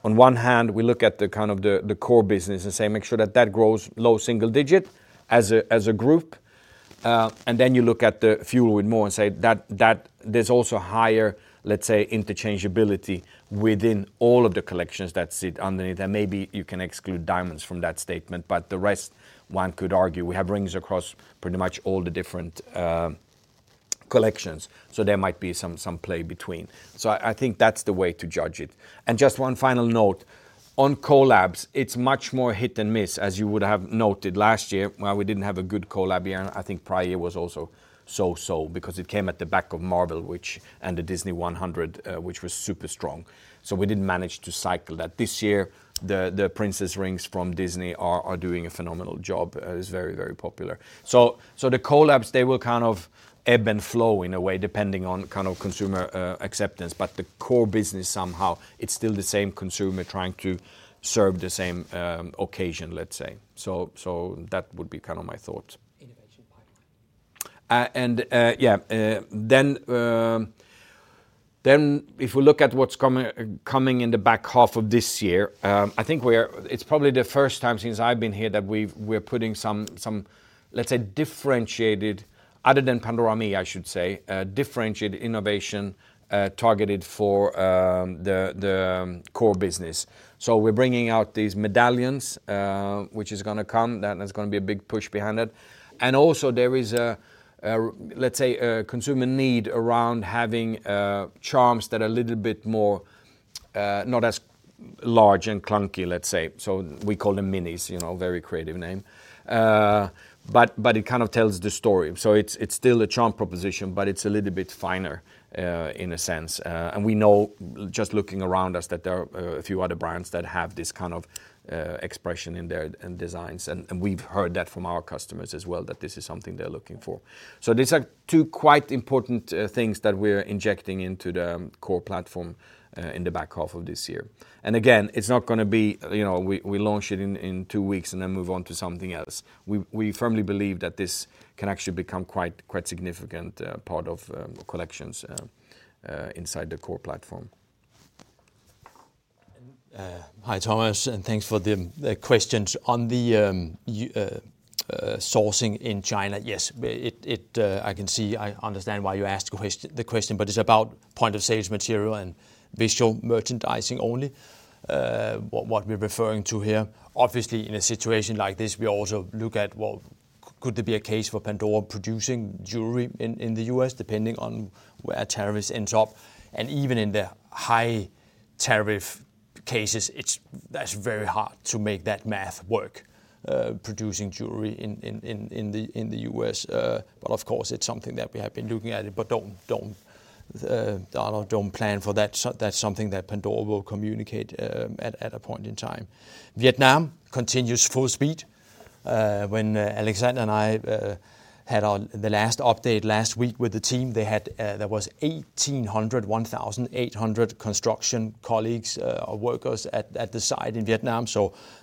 on one hand, we look at the kind of the core business and say, "Make sure that that grows low single digit as a group." You look at the fuel with more and say, "There's also higher, let's say, interchangeability within all of the collections that sit underneath." Maybe you can exclude diamonds from that statement, but the rest, one could argue, we have rings across pretty much all the different collections. There might be some play between. I think that's the way to judge it. Just one final note. On collabs, it's much more hit and miss, as you would have noted last year. We didn't have a good collab year. I think prior year was also so-so because it came at the back of Marvel and the Disney 100, which was super strong. We didn't manage to cycle that. This year, the Princess Rings from Disney are doing a phenomenal job. It's very, very popular. The collabs, they will kind of ebb and flow in a way depending on kind of consumer acceptance. The core business somehow, it's still the same consumer trying to serve the same occasion, let's say. That would be kind of my thoughts. Innovation pipeline. Yeah, if we look at what's coming in the back half of this year, I think it's probably the first time since I've been here that we're putting some, let's say, differentiated, other than Pandora ME, I should say, differentiated innovation targeted for the core business. We're bringing out these medallions, which is going to come. That's going to be a big push behind it. Also, there is, let's say, a consumer need around having charms that are a little bit more not as large and clunky, let's say. We call them minis, very creative name. It kind of tells the story. It's still a charm proposition, but it's a little bit finer in a sense. We know, just looking around us, that there are a few other brands that have this kind of expression in their designs. We have heard that from our customers as well, that this is something they're looking for. These are two quite important things that we're injecting into the core platform in the back half of this year. Again, it's not going to be we launch it in two weeks and then move on to something else. We firmly believe that this can actually become quite a significant part of collections inside the core platform. Hi, Thomas, and thanks for the questions. On the sourcing in China, yes, I can see I understand why you asked the question, but it's about point of sales material and visual merchandising only, what we're referring to here. Obviously, in a situation like this, we also look at, you know, could there be a case for Pandora producing jewelry in the U.S., depending on where tariffs end up? Even in the high tariff cases, that's very hard to make that math work, producing jewelry in the U.S. Of course, it's something that we have been looking at, but do not plan for that. That is something that Pandora will communicate at a point in time. Vietnam continues full speed. When Alexander and I had the last update last week with the team, there were 1,800 construction colleagues or workers at the site in Vietnam.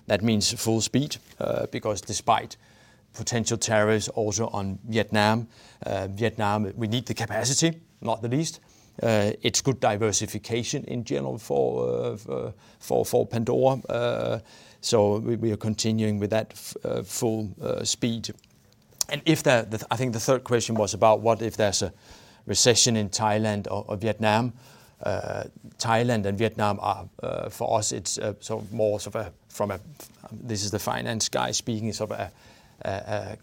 That means full speed because despite potential tariffs also on Vietnam, we need the capacity, not the least. It is good diversification in general for Pandora. We are continuing with that full speed. I think the third question was about what if there is a recession in Thailand or Vietnam. Thailand and Vietnam, for us, it is more from a—this is the finance guy speaking—sort of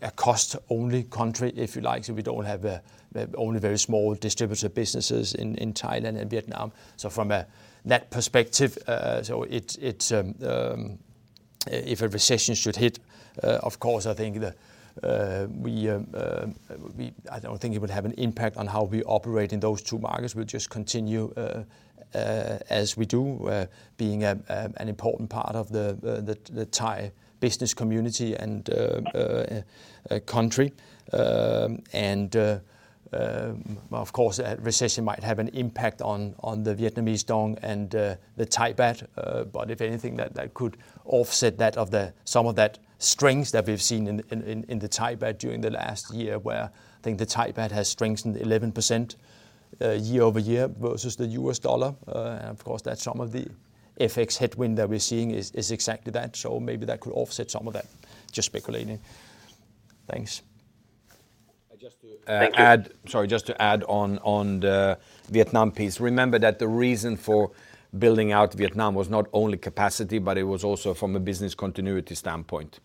a cost-only country, if you like. We do not have only very small distributor businesses in Thailand and Vietnam. From that perspective, if a recession should hit, of course, I do not think it would have an impact on how we operate in those two markets. We will just continue as we do, being an important part of the Thai business community and country. Of course, a recession might have an impact on the Vietnamese dong and the Thai baht. If anything, that could offset some of that strength that we have seen in the Thai baht during the last year, where I think the Thai baht has strengthened 11% year-over-year versus the US dollar. That is some of the effects headwind that we are seeing, exactly that. Maybe that could offset some of that. Just speculating. Thanks. Just to add, sorry, just to add on the Vietnam piece. Remember that the reason for building out Vietnam was not only capacity, but it was also from a business continuity standpoint.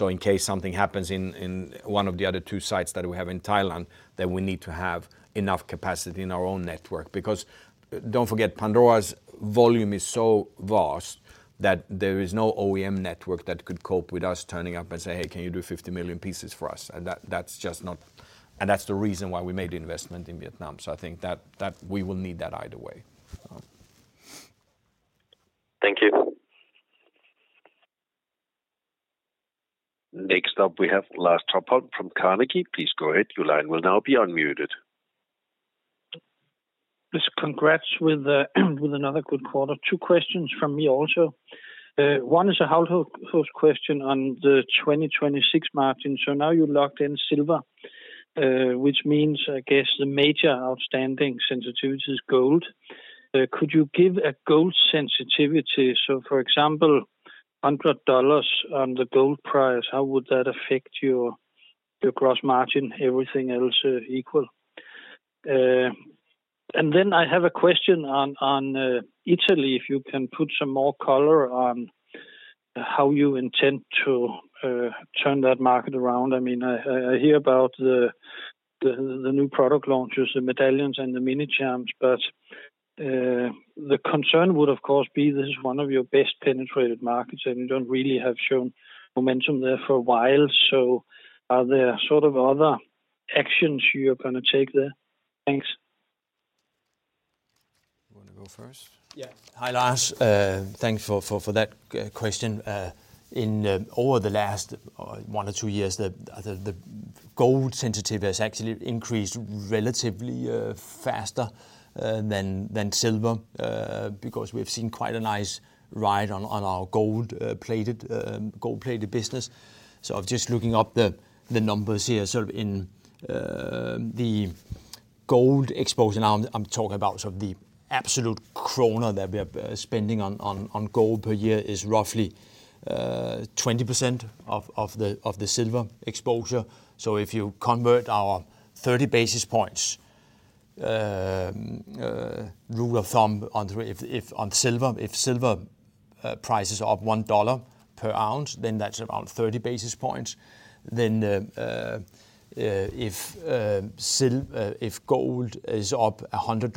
In case something happens in one of the other two sites that we have in Thailand, then we need to have enough capacity in our own network. Because don't forget, Pandora's volume is so vast that there is no OEM network that could cope with us turning up and say, "Hey, can you do 50 million pieces for us?" That is just not—and that is the reason why we made the investment in Vietnam. I think that we will need that either way. Thank you. Next up, we have Lars le Roy Topholm from DNB Carnegie. Please go ahead. Your line will now be unmuted. Just congrats with another good quarter. Two questions from me also. One is a household question on the 2026 margin. Now you locked in silver, which means, I guess, the major outstanding sensitivity is gold. Could you give a gold sensitivity? For example, $100 on the gold price, how would that affect your gross margin? Everything else equal? I have a question on Italy, if you can put some more color on how you intend to turn that market around. I mean, I hear about the new product launches, the medallions, and the mini charms, but the concern would, of course, be this is one of your best penetrated markets, and you don't really have shown momentum there for a while. Are there sort of other actions you're going to take there? Thanks. Want to go first? Yeah. Hi, Lars. Thanks for that question. In over the last one or two years, the gold sensitivity has actually increased relatively faster than silver because we have seen quite a nice ride on our gold-plated business. I am just looking up the numbers here. In the gold exposure, I am talking about sort of the absolute kroner that we are spending on gold per year is roughly 20% of the silver exposure. If you convert our 30 basis points rule of thumb on silver, if silver prices are up $1/oz, then that is around 30 basis points. If gold is up $100,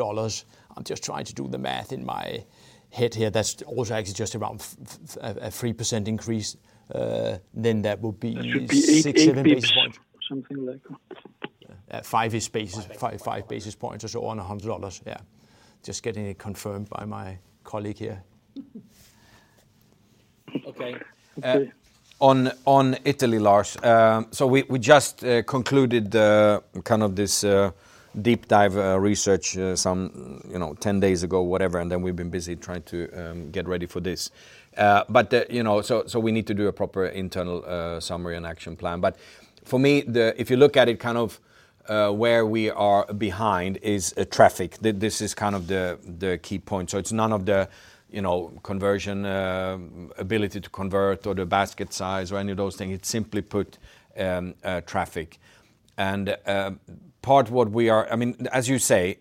I am just trying to do the math in my head here, that is also actually just around a 3% increase, then that would be 6-7 basis points. Something like that. 5 basis points or so on $100. Yeah. Just getting it confirmed by my colleague here. Okay. On Italy, Lars. We just concluded kind of this deep dive research some 10 days ago, whatever, and then we've been busy trying to get ready for this. We need to do a proper internal summary and action plan. For me, if you look at it kind of where we are behind is traffic. This is kind of the key point. It's none of the conversion ability to convert or the basket size or any of those things. It's simply put traffic. Part of what we are, I mean, as you say,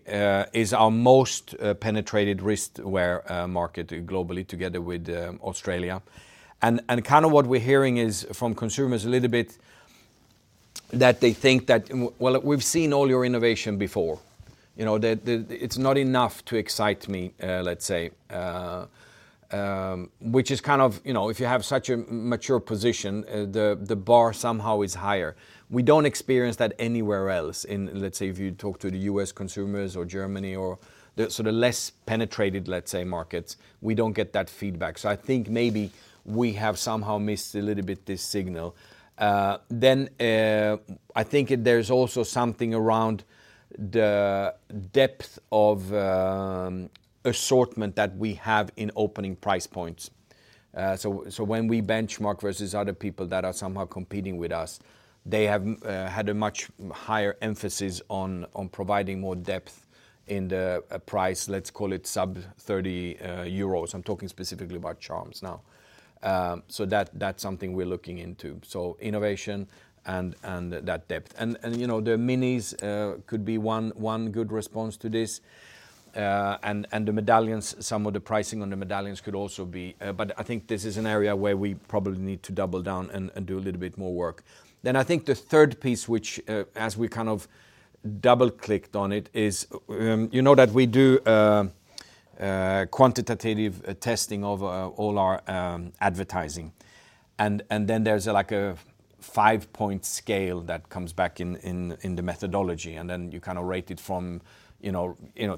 is our most penetrated wristwear market globally together with Australia. Kind of what we're hearing is from consumers a little bit that they think that, well, we've seen all your innovation before. It's not enough to excite me, let's say, which is kind of, if you have such a mature position, the bar somehow is higher. We don't experience that anywhere else. If you talk to the US consumers or Germany or sort of less penetrated, let's say, markets, we don't get that feedback. I think maybe we have somehow missed a little bit this signal. I think there's also something around the depth of assortment that we have in opening price points. When we benchmark versus other people that are somehow competing with us, they have had a much higher emphasis on providing more depth in the price, let's call it sub-EUR 30. I'm talking specifically about charms now. That's something we're looking into. Innovation and that depth. The minis could be one good response to this. The medallions, some of the pricing on the medallions could also be, but I think this is an area where we probably need to double down and do a little bit more work. I think the third piece, which as we kind of double-clicked on it, is you know that we do quantitative testing of all our advertising. There is a five-point scale that comes back in the methodology. You kind of rate it from,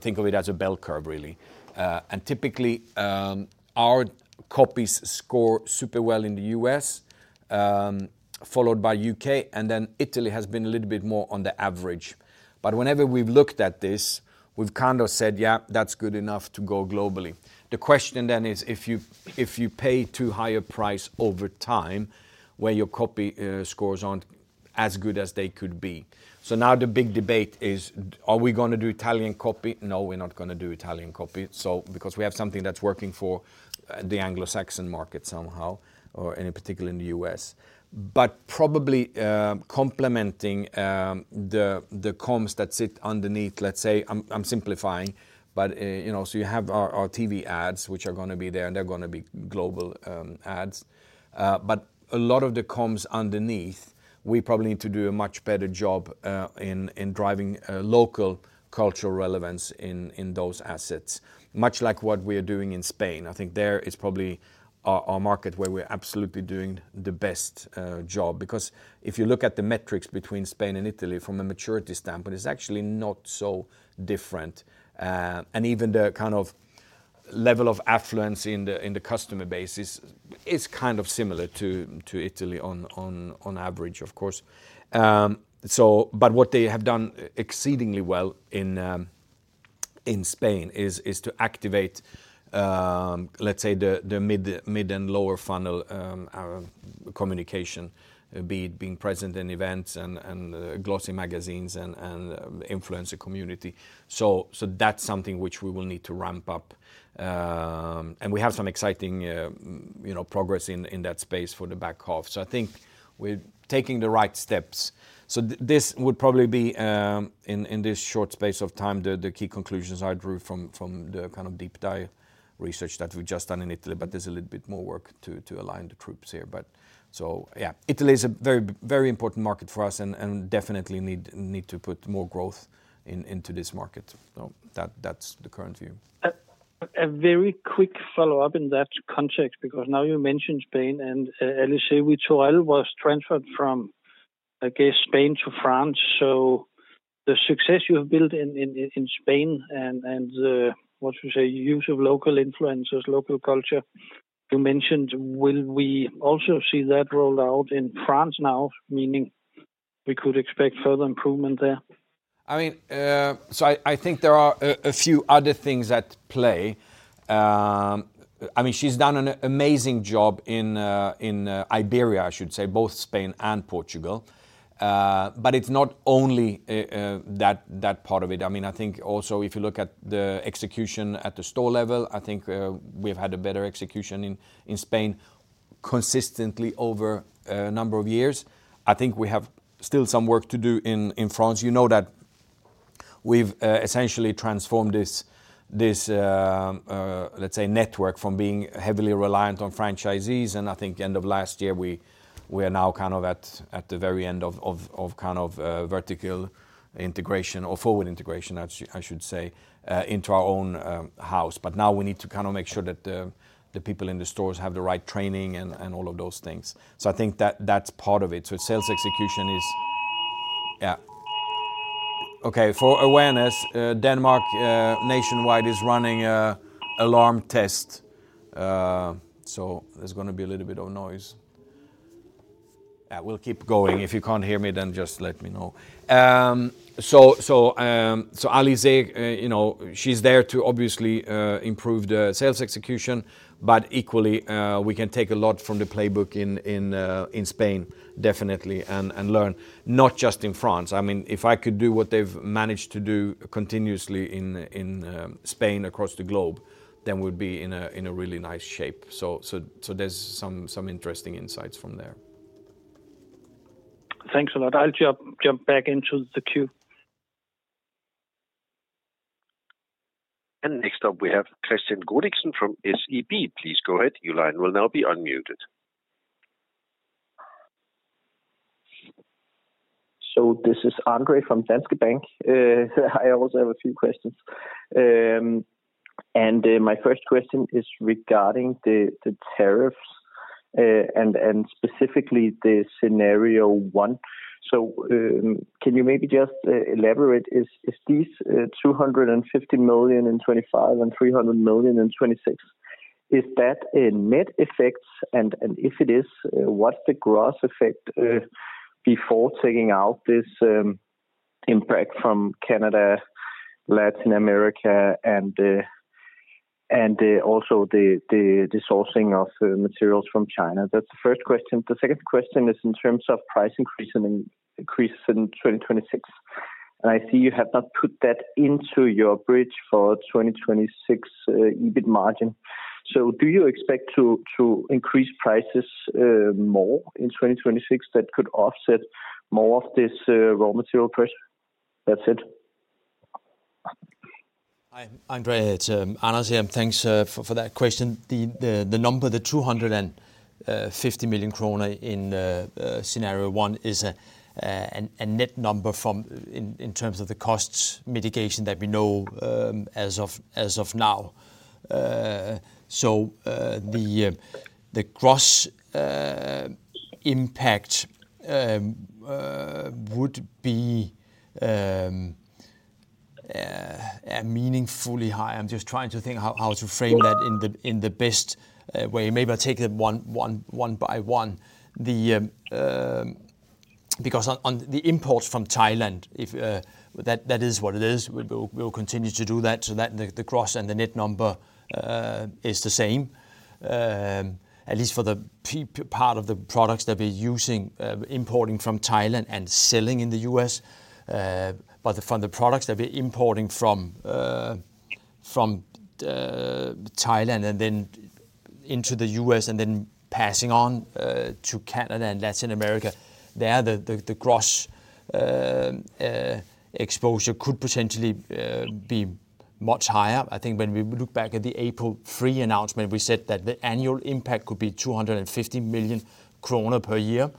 think of it as a bell curve, really. Typically, our copies score super well in the U.S., followed by the U.K., Italy has been a little bit more on the average. Whenever we've looked at this, we've kind of said, "Yeah, that's good enough to go globally." The question then is if you pay too high a price over time where your copy scores aren't as good as they could be. Now the big debate is, are we going to do Italian copy? No, we're not going to do Italian copy because we have something that's working for the Anglo-Saxon market somehow, or in particular in the U.S. Probably complementing the comms that sit underneath, let's say, I'm simplifying. You have our TV ads, which are going to be there, and they're going to be global ads. A lot of the comms underneath, we probably need to do a much better job in driving local cultural relevance in those assets. Much like what we are doing in Spain. I think there is probably our market where we're absolutely doing the best job. Because if you look at the metrics between Spain and Italy from a maturity standpoint, it's actually not so different. Even the kind of level of affluence in the customer base is kind of similar to Italy on average, of course. What they have done exceedingly well in Spain is to activate, let's say, the mid and lower funnel communication, being present in events and glossy magazines and influencer community. That's something which we will need to ramp up. We have some exciting progress in that space for the back half. I think we're taking the right steps. This would probably be, in this short space of time, the key conclusions I drew from the kind of deep dive research that we've just done in Italy. There is a little bit more work to align the troops here. Yeah, Italy is a very important market for us and definitely need to put more growth into this market. That is the current view. A very quick follow-up in that context because now you mentioned Spain and LEC, which oil was transferred from, I guess, Spain to France. The success you have built in Spain and what you say, use of local influencers, local culture, you mentioned, will we also see that rolled out in France now, meaning we could expect further improvement there? I mean, I think there are a few other things at play. I mean, she has done an amazing job in Iberia, I should say, both Spain and Portugal. It is not only that part of it. I mean, I think also if you look at the execution at the store level, I think we've had a better execution in Spain consistently over a number of years. I think we have still some work to do in France. You know that we've essentially transformed this, let's say, network from being heavily reliant on franchisees. I think end of last year, we are now kind of at the very end of kind of vertical integration or forward integration, I should say, into our own house. Now we need to kind of make sure that the people in the stores have the right training and all of those things. I think that that's part of it. Sales execution is, yeah. Okay. For awareness, Denmark nationwide is running an alarm test. There's going to be a little bit of noise. Yeah, we'll keep going. If you can't hear me, then just let me know. Alizé, she's there to obviously improve the sales execution, but equally, we can take a lot from the playbook in Spain, definitely, and learn, not just in France. I mean, if I could do what they've managed to do continuously in Spain across the globe, then we'd be in a really nice shape. There are some interesting insights from there. Thanks a lot. I'll jump back into the queue. Next up, we have Kristian Godiksen from SEB. Please go ahead. Your line will now be unmuted. This is André from Danske Bank. I also have a few questions. My first question is regarding the tariffs and specifically the scenario one. Can you maybe just elaborate? Are these 250 million in 2025 and 300 million in 2026? Is that a net effect? If it is, what is the gross effect before taking out this impact from Canada, Latin America, and also the sourcing of materials from China? That is the first question. The second question is in terms of price increases in 2026. I see you have not put that into your bridge for 2026 EBIT margin. Do you expect to increase prices more in 2026 that could offset more of this raw material pressure? That is it. Hi, André. It is Anders. Thanks for that question. The number, the 250 million kroner in scenario one, is a net number in terms of the cost mitigation that we know as of now. The gross impact would be meaningfully higher. I am just trying to think how to frame that in the best way. Maybe I will take it one by one. Because on the imports from Thailand, that is what it is. We'll continue to do that so that the gross and the net number is the same, at least for the part of the products that we're using, importing from Thailand and selling in the U.S. For the products that we're importing from Thailand and then into the U.S., and then passing on to Canada and Latin America, there, the gross exposure could potentially be much higher. I think when we look back at the April 3 announcement, we said that the annual impact could be 250 million kroner per year.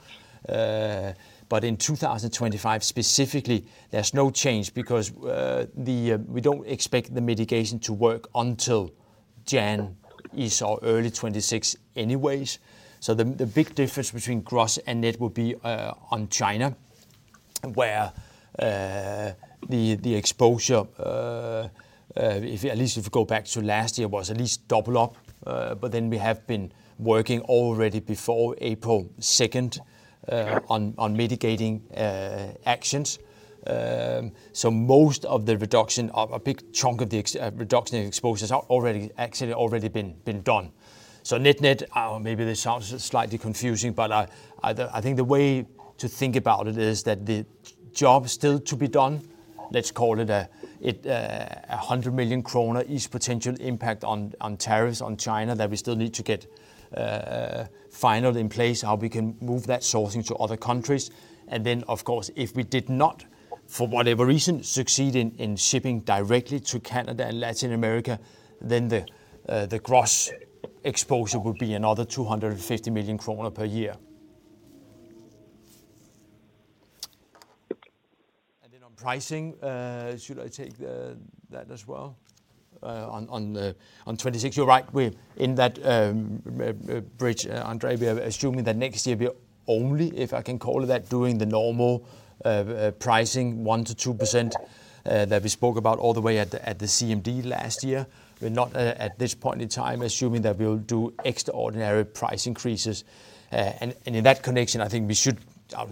In 2025, specifically, there's no change because we don't expect the mitigation to work until January or early 2026 anyways. The big difference between gross and net would be on China, where the exposure, at least if we go back to last year, was at least double up. We have been working already before April 2 on mitigating actions. Most of the reduction, a big chunk of the reduction in exposures, has actually already been done. Net-net, maybe this sounds slightly confusing, but I think the way to think about it is that the job is still to be done. Let's call it 100 million kroner is potential impact on tariffs on China that we still need to get final in place, how we can move that sourcing to other countries. Of course, if we did not, for whatever reason, succeed in shipping directly to Canada and Latin America, then the gross exposure would be another 250 million kroner per year. On pricing, should I take that as well? On 2026, you're right. In that bridge, André, we are assuming that next year, only if I can call it that, doing the normal pricing, 1%-2% that we spoke about all the way at the CMD last year. We are not at this point in time assuming that we will do extraordinary price increases. In that connection, I think we should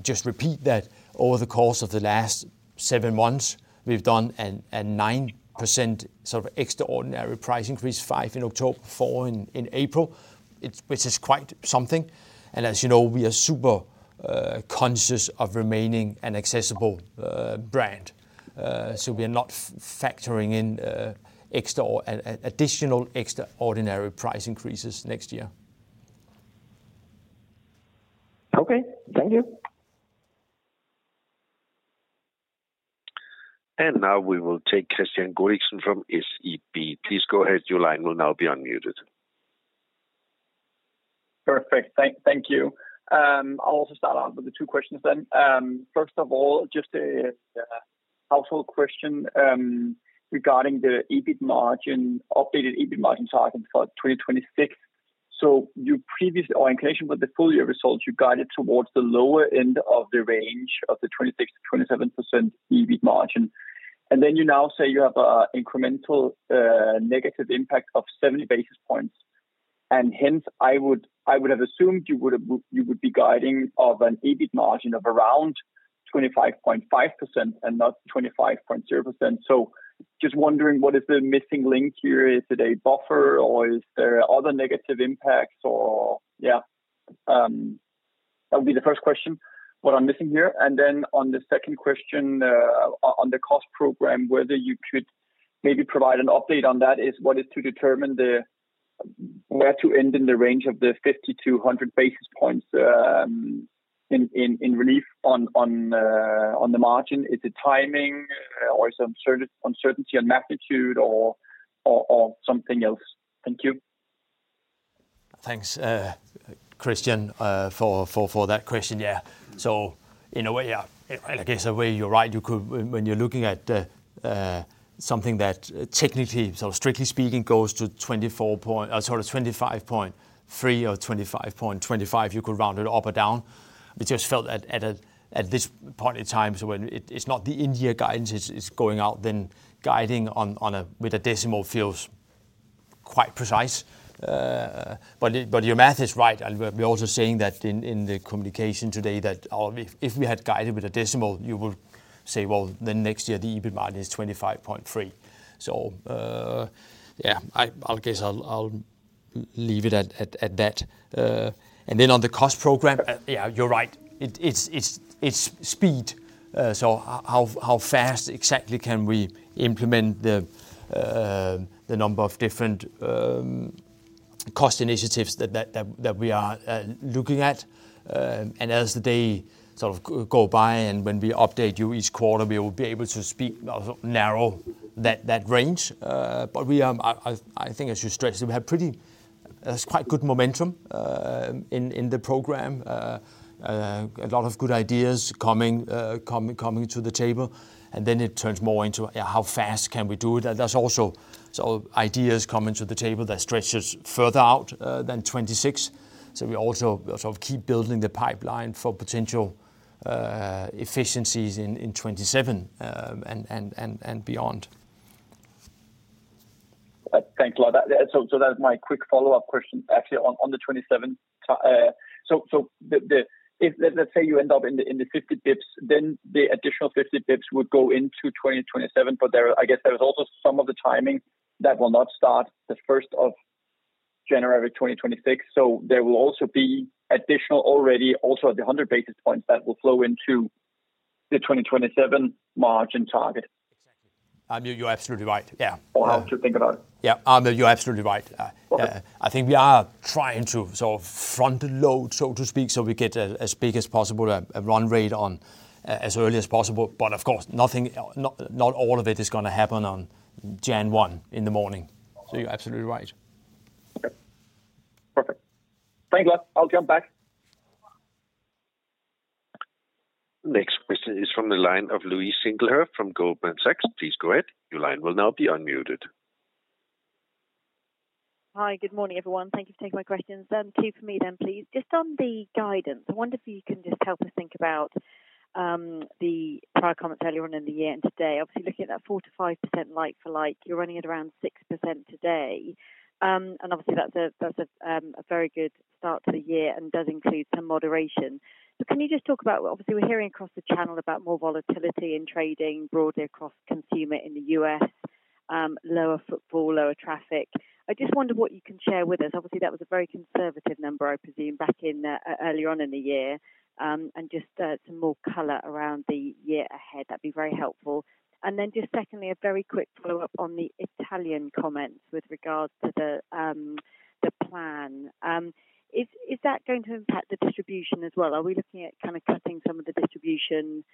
just repeat that over the course of the last seven months, we have done a 9% sort of extraordinary price increase, 5% in October, 4% in April, which is quite something. As you know, we are super conscious of remaining an accessible brand. We are not factoring in additional extraordinary price increases next year. Okay. Thank you. Now we will take Kristian Godiksen from SEB. Please go ahead. Your line will now be unmuted. Perfect. Thank you. I will also start out with the two questions then. First of all, just a household question regarding the updated EBIT margin target for 2026. In connection with the full year results, you guided towards the lower end of the range of the 26%-27% EBIT margin. You now say you have an incremental negative impact of 70 basis points. Hence, I would have assumed you would be guiding of an EBIT margin of around 25.5% and not 25.0%. I am just wondering what is the missing link here? Is it a buffer or are there other negative impacts? That would be the first question, what I am missing here. On the second question, on the cost program, whether you could maybe provide an update on that, what is to determine where to end in the range of the 50 basis points-100 basis points in relief on the margin? Is it timing or some uncertainty on magnitude or something else? Thanks, Kristian, for that question. Yeah. In a way, yeah, I guess a way you're right. When you're looking at something that technically, so strictly speaking, goes to 25.3% or 25.25%, you could round it up or down. We just felt that at this point in time, when it's not the India guidance is going out, then guiding with a decimal feels quite precise. But your math is right. We're also saying that in the communication today that if we had guided with a decimal, you would say, "Well, then next year, the EBIT margin is 25.3%." Yeah, I guess I'll leave it at that. On the cost program, yeah, you're right. It's speed. How fast exactly can we implement the number of different cost initiatives that we are looking at? As the day sort of goes by and when we update you each quarter, we will be able to narrow that range. I think, as you stressed, we have pretty quite good momentum in the program. A lot of good ideas coming to the table. It turns more into, yeah, how fast can we do it? There are also ideas coming to the table that stretch further out than 2026. We also sort of keep building the pipeline for potential efficiencies in 2027 and beyond. Thanks a lot. That is my quick follow-up question, actually, on the 2027. Let us say you end up in the 50 basis points, then the additional 50 basis points would go into 2027. I guess there is also some of the timing that will not start the 1st of January 2026. There will also be additional already also at the 100 basis points that will flow into the 2027 margin target? You're absolutely right. I'll have to think about it. You're absolutely right. I think we are trying to sort of front the load, so to speak, so we get as big as possible a run rate as early as possible. Of course, not all of it is going to happen on January 1 in the morning. You're absolutely right. Perfect. Thanks, guys. I'll jump back. Next question is from the line of Louise Singlehurst from Goldman Sachs. Please go ahead. Your line will now be unmuted. Hi. Good morning, everyone. Thank you for taking my questions. Two for me then, please. Just on the guidance, I wonder if you can just help us think about the prior comments earlier on in the year and today. Obviously, looking at that 4%-5% like-for-like, you're running at around 6% today. Obviously, that's a very good start to the year and does include some moderation. Can you just talk about, obviously, we're hearing across the channel about more volatility in trading broadly across consumer in the U.S., lower footfall, lower traffic. I just wonder what you can share with us. Obviously, that was a very conservative number, I presume, back earlier on in the year. Just some more color around the year ahead? That would be very helpful. Just secondly, a very quick follow-up on the Italian comments with regards to the plan. Is that going to impact the distribution as well? Are we looking at kind of cutting some of the distribution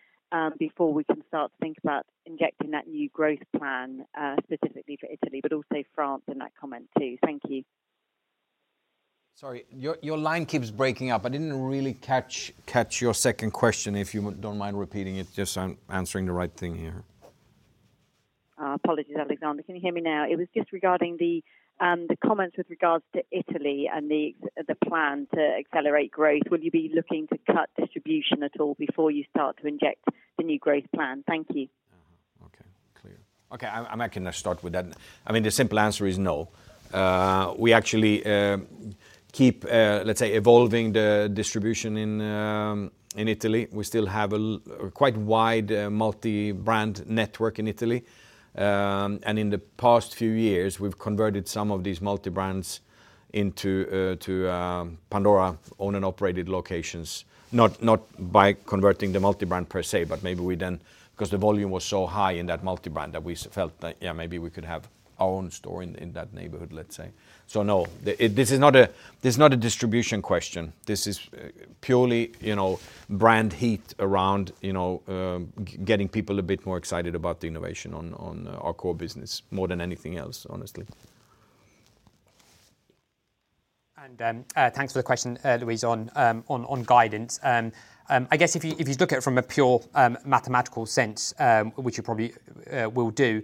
before we can start to think about injecting that new growth plan specifically for Italy, but also France in that comment too? Thank you. Sorry, your line keeps breaking up. I did not really catch your second question, if you do not mind repeating it, just answering the right thing here. Apologies, Alexander. Can you hear me now? It was just regarding the comments with regards to Italy and the plan to accelerate growth. Will you be looking to cut distribution at all before you start to inject the new growth plan? Thank you. Okay. Clear. Okay. I am not going to start with that. I mean, the simple answer is no. We actually keep, let's say, evolving the distribution in Italy. We still have a quite wide multi-brand network in Italy. In the past few years, we've converted some of these multi-brands into Pandora-owned and operated locations, not by converting the multi-brand per se, but maybe we then, because the volume was so high in that multi-brand, felt that, yeah, maybe we could have our own store in that neighborhood, let's say. No, this is not a distribution question. This is purely brand heat around getting people a bit more excited about the innovation on our core business, more than anything else, honestly. Thanks for the question, Louise, on guidance. I guess if you look at it from a pure mathematical sense, which you probably will do,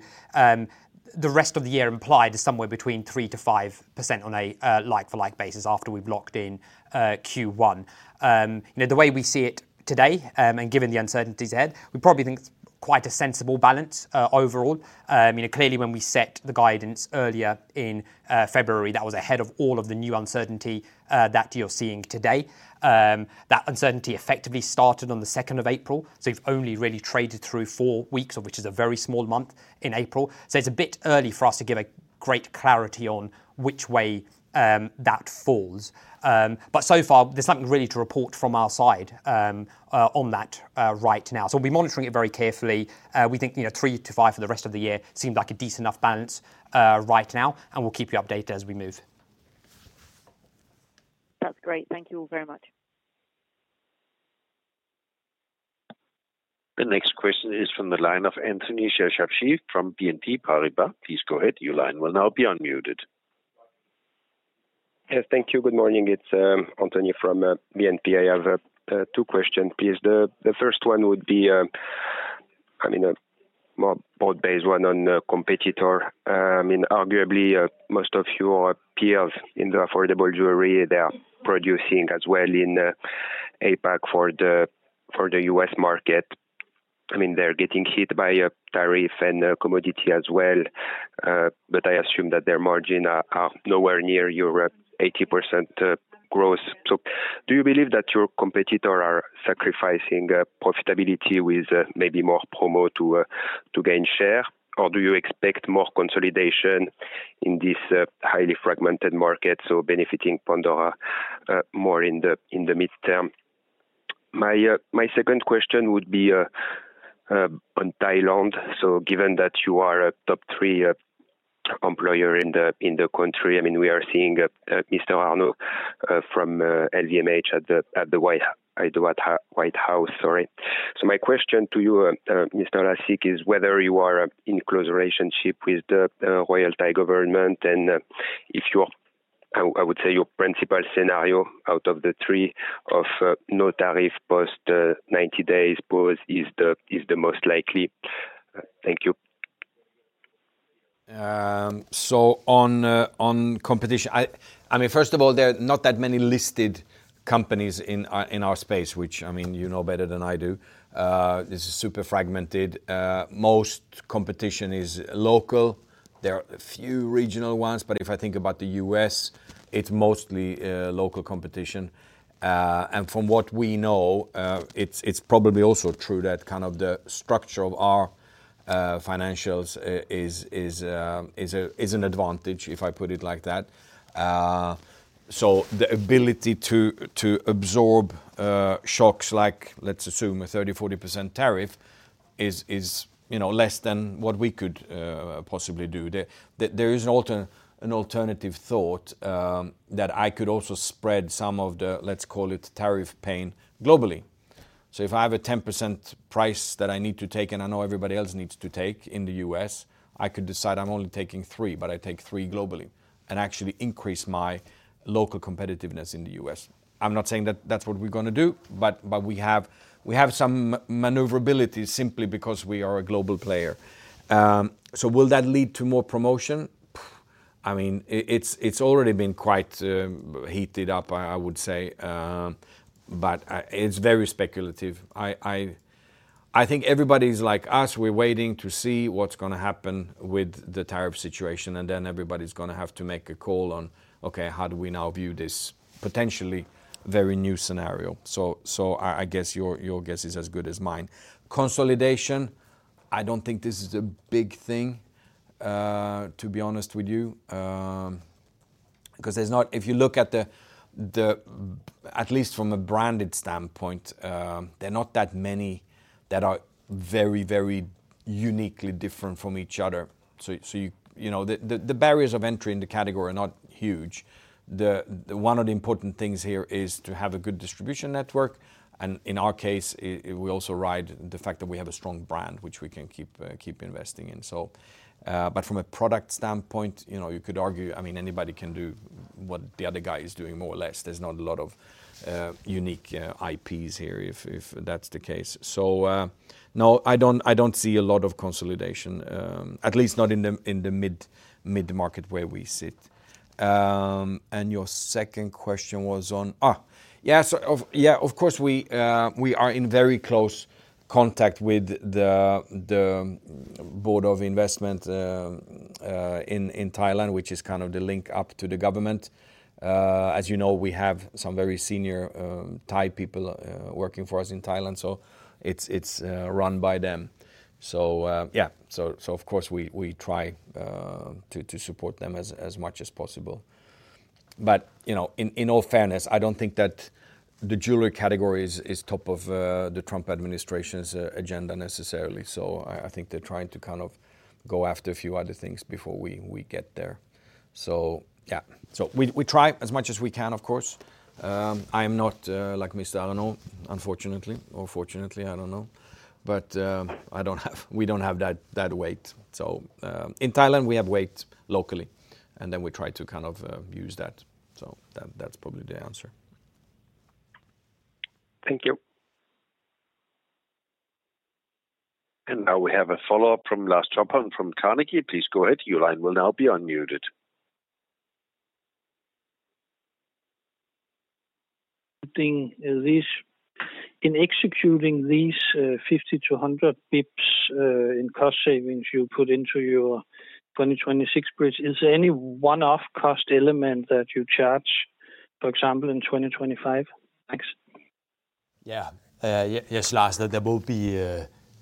the rest of the year implied is somewhere between 3%-5% on a like-for-like basis after we've locked in Q1. The way we see it today, and given the uncertainties ahead, we probably think it's quite a sensible balance overall. Clearly, when we set the guidance earlier in February, that was ahead of all of the new uncertainty that you're seeing today. That uncertainty effectively started on the 2nd of April. You have only really traded through four weeks, which is a very small month in April. It is a bit early for us to give great clarity on which way that falls. So far, there is nothing really to report from our side on that right now. We will be monitoring it very carefully. We think 3%-5% for the rest of the year seemed like a decent enough balance right now. We will keep you updated as we move. That's great. Thank you all very much. The next question is from the line of Anthony Charchafji from BNP Paribas. Please go ahead. Your line will now be unmuted. Yes. Thank you. Good morning. It's Anthony from BNP. I have two questions, please. The first one would be, I mean, a more broad-based one on competitor. I mean, arguably, most of your peers in the affordable jewelry, they are producing as well in APAC for the US market. I mean, they're getting hit by tariff and commodity as well. But I assume that their margins are nowhere near your 80% growth. Do you believe that your competitors are sacrificing profitability with maybe more promo to gain share? Or do you expect more consolidation in this highly fragmented market, so benefiting Pandora more in the midterm? My second question would be on Thailand. Given that you are a top three employer in the country, I mean, we are seeing Mr. Arnault from LVMH at the White House. Sorry. My question to you, Mr. Lacik, is whether you are in close relationship with the Royal Thai government and if your, I would say, your principal scenario out of the three of no tariff post 90 days pause is the most likely. Thank you. On competition, I mean, first of all, there are not that many listed companies in our space, which, I mean, you know better than I do. This is super fragmented. Most competition is local. There are a few regional ones. If I think about the U.S., it's mostly local competition. From what we know, it's probably also true that kind of the structure of our financials is an advantage, if I put it like that. The ability to absorb shocks like, let's assume, a 30%-40% tariff is less than what we could possibly do. There is an alternative thought that I could also spread some of the, let's call it, tariff pain globally. If I have a 10% price that I need to take and I know everybody else needs to take in the U.S., I could decide I'm only taking three, but I take three globally and actually increase my local competitiveness in the U.S. I'm not saying that that's what we're going to do, but we have some maneuverability simply because we are a global player. Will that lead to more promotion? I mean, it's already been quite heated up, I would say, but it's very speculative. I think everybody's like us. We're waiting to see what's going to happen with the tariff situation. Everybody's going to have to make a call on, okay, how do we now view this potentially very new scenario? I guess your guess is as good as mine. Consolidation, I do not think this is a big thing, to be honest with you. If you look at the, at least from a branded standpoint, there are not that many that are very, very uniquely different from each other. The barriers of entry in the category are not huge. One of the important things here is to have a good distribution network. In our case, we also ride the fact that we have a strong brand, which we can keep investing in. From a product standpoint, you could argue, I mean, anybody can do what the other guy is doing, more or less. There's not a lot of unique IPs here, if that's the case. No, I don't see a lot of consolidation, at least not in the mid-market where we sit. Your second question was on, yeah, of course, we are in very close contact with the Board of Investment in Thailand, which is kind of the link up to the government. As you know, we have some very senior Thai people working for us in Thailand. It's run by them. Of course, we try to support them as much as possible. In all fairness, I don't think that the jewelry category is top of the Trump administration's agenda necessarily. I think they're trying to kind of go after a few other things before we get there. We try as much as we can, of course. I am not like Mr. Arnault, unfortunately, or fortunately, I do not know. We do not have that weight. In Thailand, we have weight locally, and then we try to kind of use that. That is probably the answer. Thank you. Now we have a follow-up from Lars le Roy Topholm from DNB Carnegie. Please go ahead. Your line will now be unmuted. In executing these 50 bps-100 bps in cost savings you put into your 2026 bridge, is there any one-off cost element that you charge, for example, in 2025? Thanks. Yes. Yes, Lars, there will be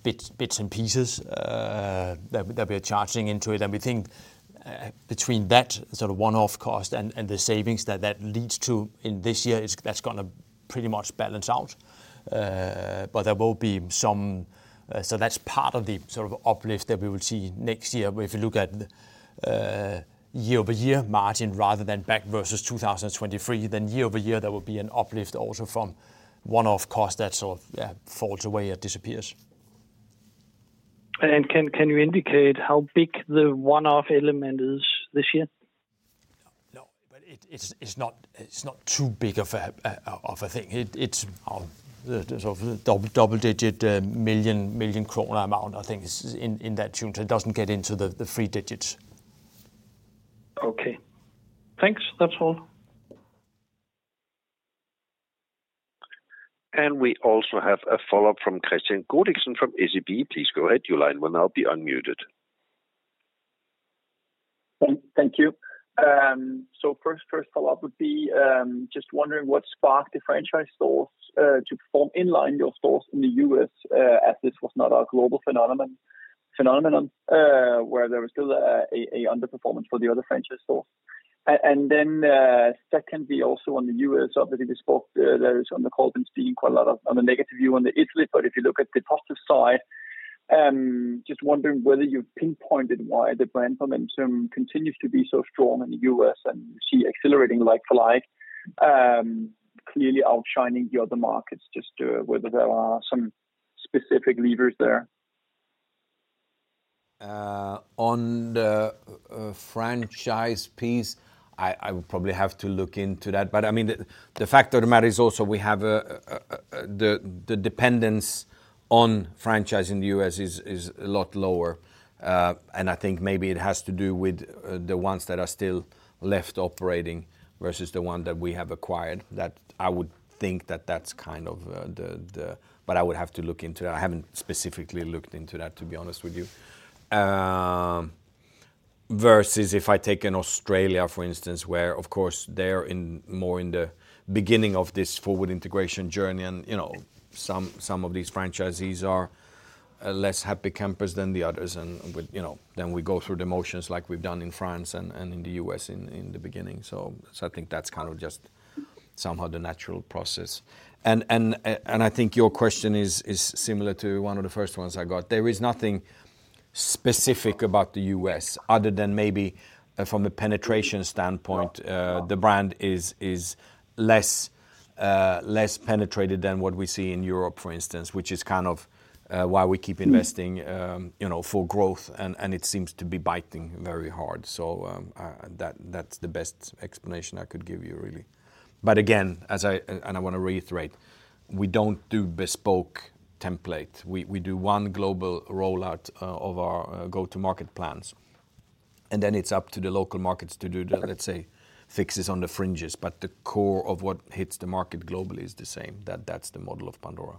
bits and pieces that we are charging into it. We think between that sort of one-off cost and the savings that that leads to in this year, that is going to pretty much balance out. There will be some. That is part of the sort of uplift that we will see next year. If you look at year-over-year margin rather than back versus 2023, then year-over-year, there will be an uplift also from one-off cost that sort of falls away or disappears. Can you indicate how big the one-off element is this year? No, but it is not too big of a thing. It is sort of a double-digit million DKK amount, I think, in that tune. It does not get into the three-digits. Okay. Thanks. That is all. We also have a follow-up from Kristian Godiksen from SEB. Please go ahead. Your line will now be unmuted. Thank you. First follow-up would be just wondering what sparked the franchise stores to perform in line with your stores in the U.S., as this was not a global phenomenon where there was still an underperformance for the other franchise stores.? Then secondly, also on the U.S., obviously, we spoke there is on the Goldman speaking quite a lot of a negative view on the Italy. If you look at the positive side, just wondering whether you've pinpointed why the brand momentum continues to be so strong in the U.S. and you see accelerating like-for-like, clearly outshining the other markets, just whether there are some specific levers there? On the franchise piece, I would probably have to look into that. I mean, the fact of the matter is also we have the dependence on franchise in the U.S. is a lot lower. I think maybe it has to do with the ones that are still left operating versus the ones that we have acquired. I would think that that's kind of the but I would have to look into that. I haven't specifically looked into that, to be honest with you. Versus if I take Australia, for instance, where, of course, they're more in the beginning of this forward integration journey. Some of these franchisees are less happy campers than the others. We go through the motions like we've done in France and in the U.S. in the beginning. I think that's kind of just somehow the natural process. I think your question is similar to one of the first ones I got. There is nothing specific about the U.S., other than maybe from a penetration standpoint, the brand is less penetrated than what we see in Europe, for instance, which is kind of why we keep investing for growth. It seems to be biting very hard. That's the best explanation I could give you, really. Again, I want to reiterate, we do not do bespoke template. We do one global rollout of our go-to-market plans. It is up to the local markets to do the, let's say, fixes on the fringes. The core of what hits the market globally is the same. That is the model of Pandora.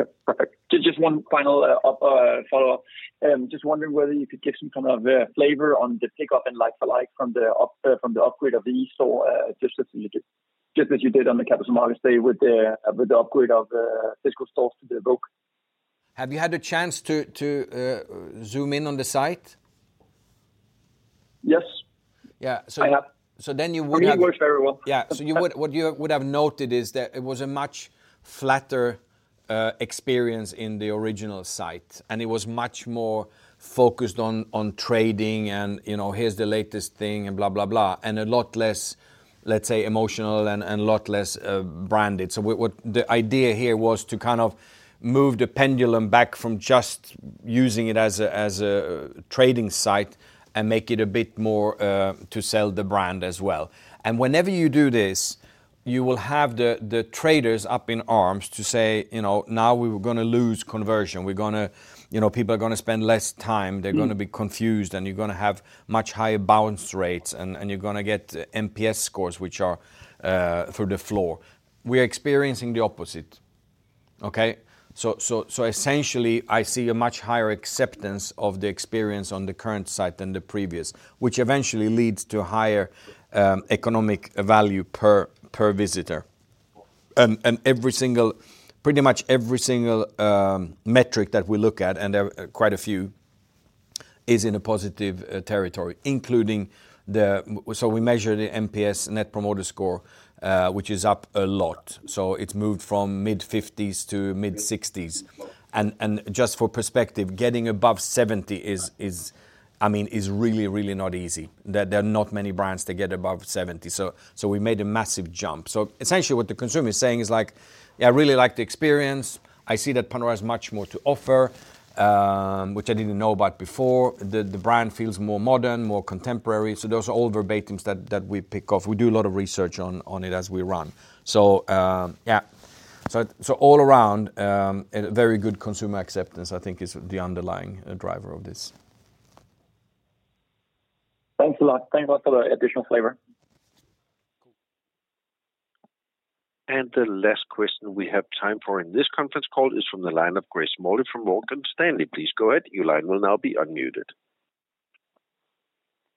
Okay. Perfect. Just one final follow-up. Just wondering whether you could give some kind of flavor on the pickup and like-for-like from the upgrade of the ESOL, just as you did on the Capital Markets Day with the upgrade of fiscal stores to the book. Have you had a chance to zoom in on the site? Yes. Yeah. You would have. I think it works very well. What you would have noted is that it was a much flatter experience in the original site. It was much more focused on trading and here's the latest thing and blah, blah, blah. A lot less, let's say, emotional and a lot less branded. The idea here was to kind of move the pendulum back from just using it as a trading site and make it a bit more to sell the brand as well. Whenever you do this, you will have the traders up in arms to say, "Now we're going to lose conversion. People are going to spend less time. They're going to be confused. You're going to have much higher bounce rates. You're going to get NPS scores, which are through the floor." We're experiencing the opposite. Essentially, I see a much higher acceptance of the experience on the current site than the previous, which eventually leads to higher economic value per visitor. Pretty much every single metric that we look at, and there are quite a few, is in a positive territory, including the, so we measure the NPS Net Promoter Score, which is up a lot. It has moved from mid-50s to mid-60s. Just for perspective, getting above 70 is, I mean, is really, really not easy. There are not many brands that get above 70. We made a massive jump. Essentially, what the consumer is saying is like, "Yeah, I really like the experience. I see that Pandora has much more to offer, which I did not know about before. The brand feels more modern, more contemporary." Those are all verbatims that we pick off. We do a lot of research on it as we run. All around, a very good consumer acceptance, I think, is the underlying driver of this. Thanks a lot. Thanks a lot for the additional flavor. The last question we have time for in this conference call is from the line of Grace Smalley from Morgan Stanley. Please go ahead. Your line will now be unmuted.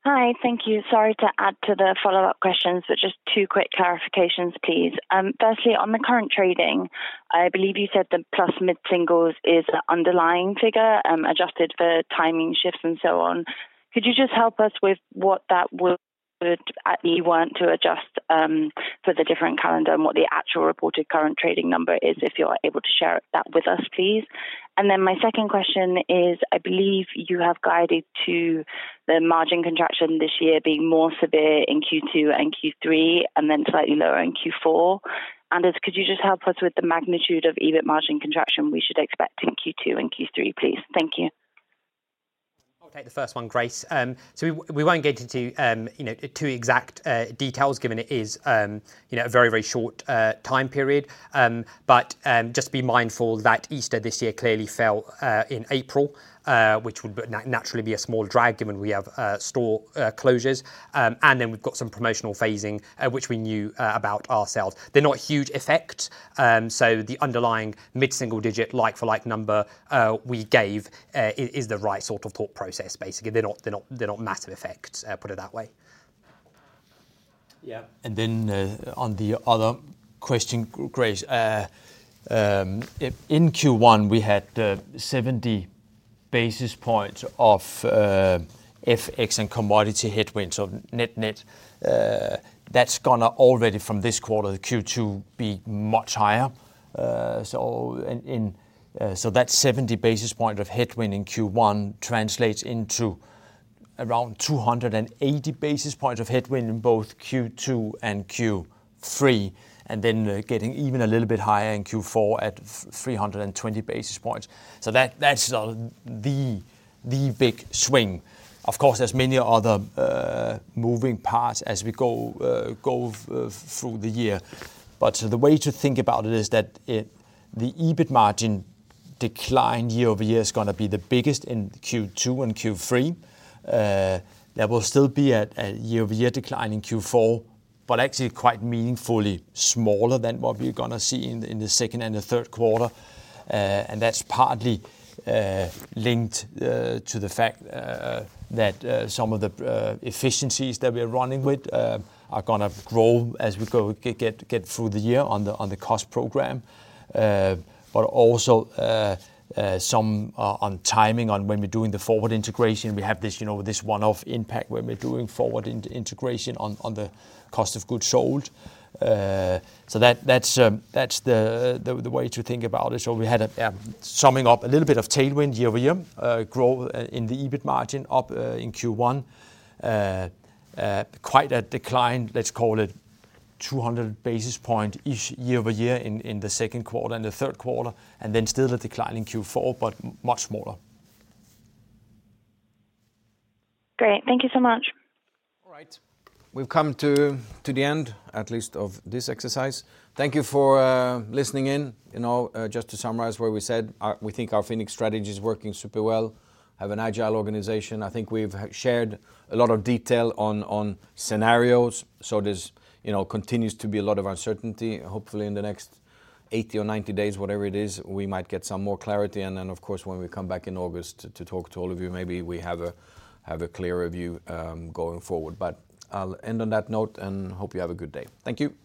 Hi. Thank you. Sorry to add to the follow-up questions, but just two quick clarifications, please. Firstly, on the current trading, I believe you said the plus mid singles is an underlying figure adjusted for timing shifts and so on. Could you just help us with what that would be once you adjust for the different calendar and what the actual reported current trading number is if you're able to share that with us, please? My second question is, I believe you have guided to the margin contraction this year being more severe in Q2 and Q3 and then slightly lower in Q4. Could you just help us with the magnitude of EBIT margin contraction we should expect in Q2 and Q3, please? Thank you. I'll take the first one, Grace. We won't get into too exact details given it is a very, very short time period. Just be mindful that Easter this year clearly fell in April, which would naturally be a small drag given we have store closures. We have some promotional phasing, which we knew about ourselves. They're not a huge effect. The underlying mid-single digit like-for-like number we gave is the right sort of thought process, basically. They're not massive effects, put it that way. Yeah. On the other question, Grace, in Q1, we had 70 basis points of FX and commodity headwinds, so net-net. That's going to, already from this quarter, Q2, be much higher. That 70 basis point of headwind in Q1 translates into around 280 basis points of headwind in both Q2 and Q3, and then getting even a little bit higher in Q4 at 320 basis points. That is the big swing. Of course, there are many other moving parts as we go through the year. The way to think about it is that the EBIT margin decline year-over-year is going to be the biggest in Q2 and Q3. There will still be a year-over-year decline in Q4, but actually quite meaningfully smaller than what we are going to see in the second and the third quarter. That is partly linked to the fact that some of the efficiencies that we are running with are going to grow as we get through the year on the cost program. There is also some on timing, on when we are doing the forward integration. We have this one-off impact when we're doing forward integration on the cost of goods sold. That's the way to think about it. We had a summing up, a little bit of tailwind year-over-year, growth in the EBIT margin up in Q1, quite a decline, let's call it 200 basis points year-over-year in the second quarter and the third quarter, and then still a decline in Q4, but much smaller. Great. Thank you so much. All right. We've come to the end, at least, of this exercise. Thank you for listening in. Just to summarize what we said, we think our Phoenix strategy is working super well. Have an agile organization. I think we've shared a lot of detail on scenarios. There continues to be a lot of uncertainty. Hopefully, in the next 80 or 90 days, whatever it is, we might get some more clarity. Of course, when we come back in August to talk to all of you, maybe we have a clearer view going forward. I'll end on that note and hope you have a good day. Thank you.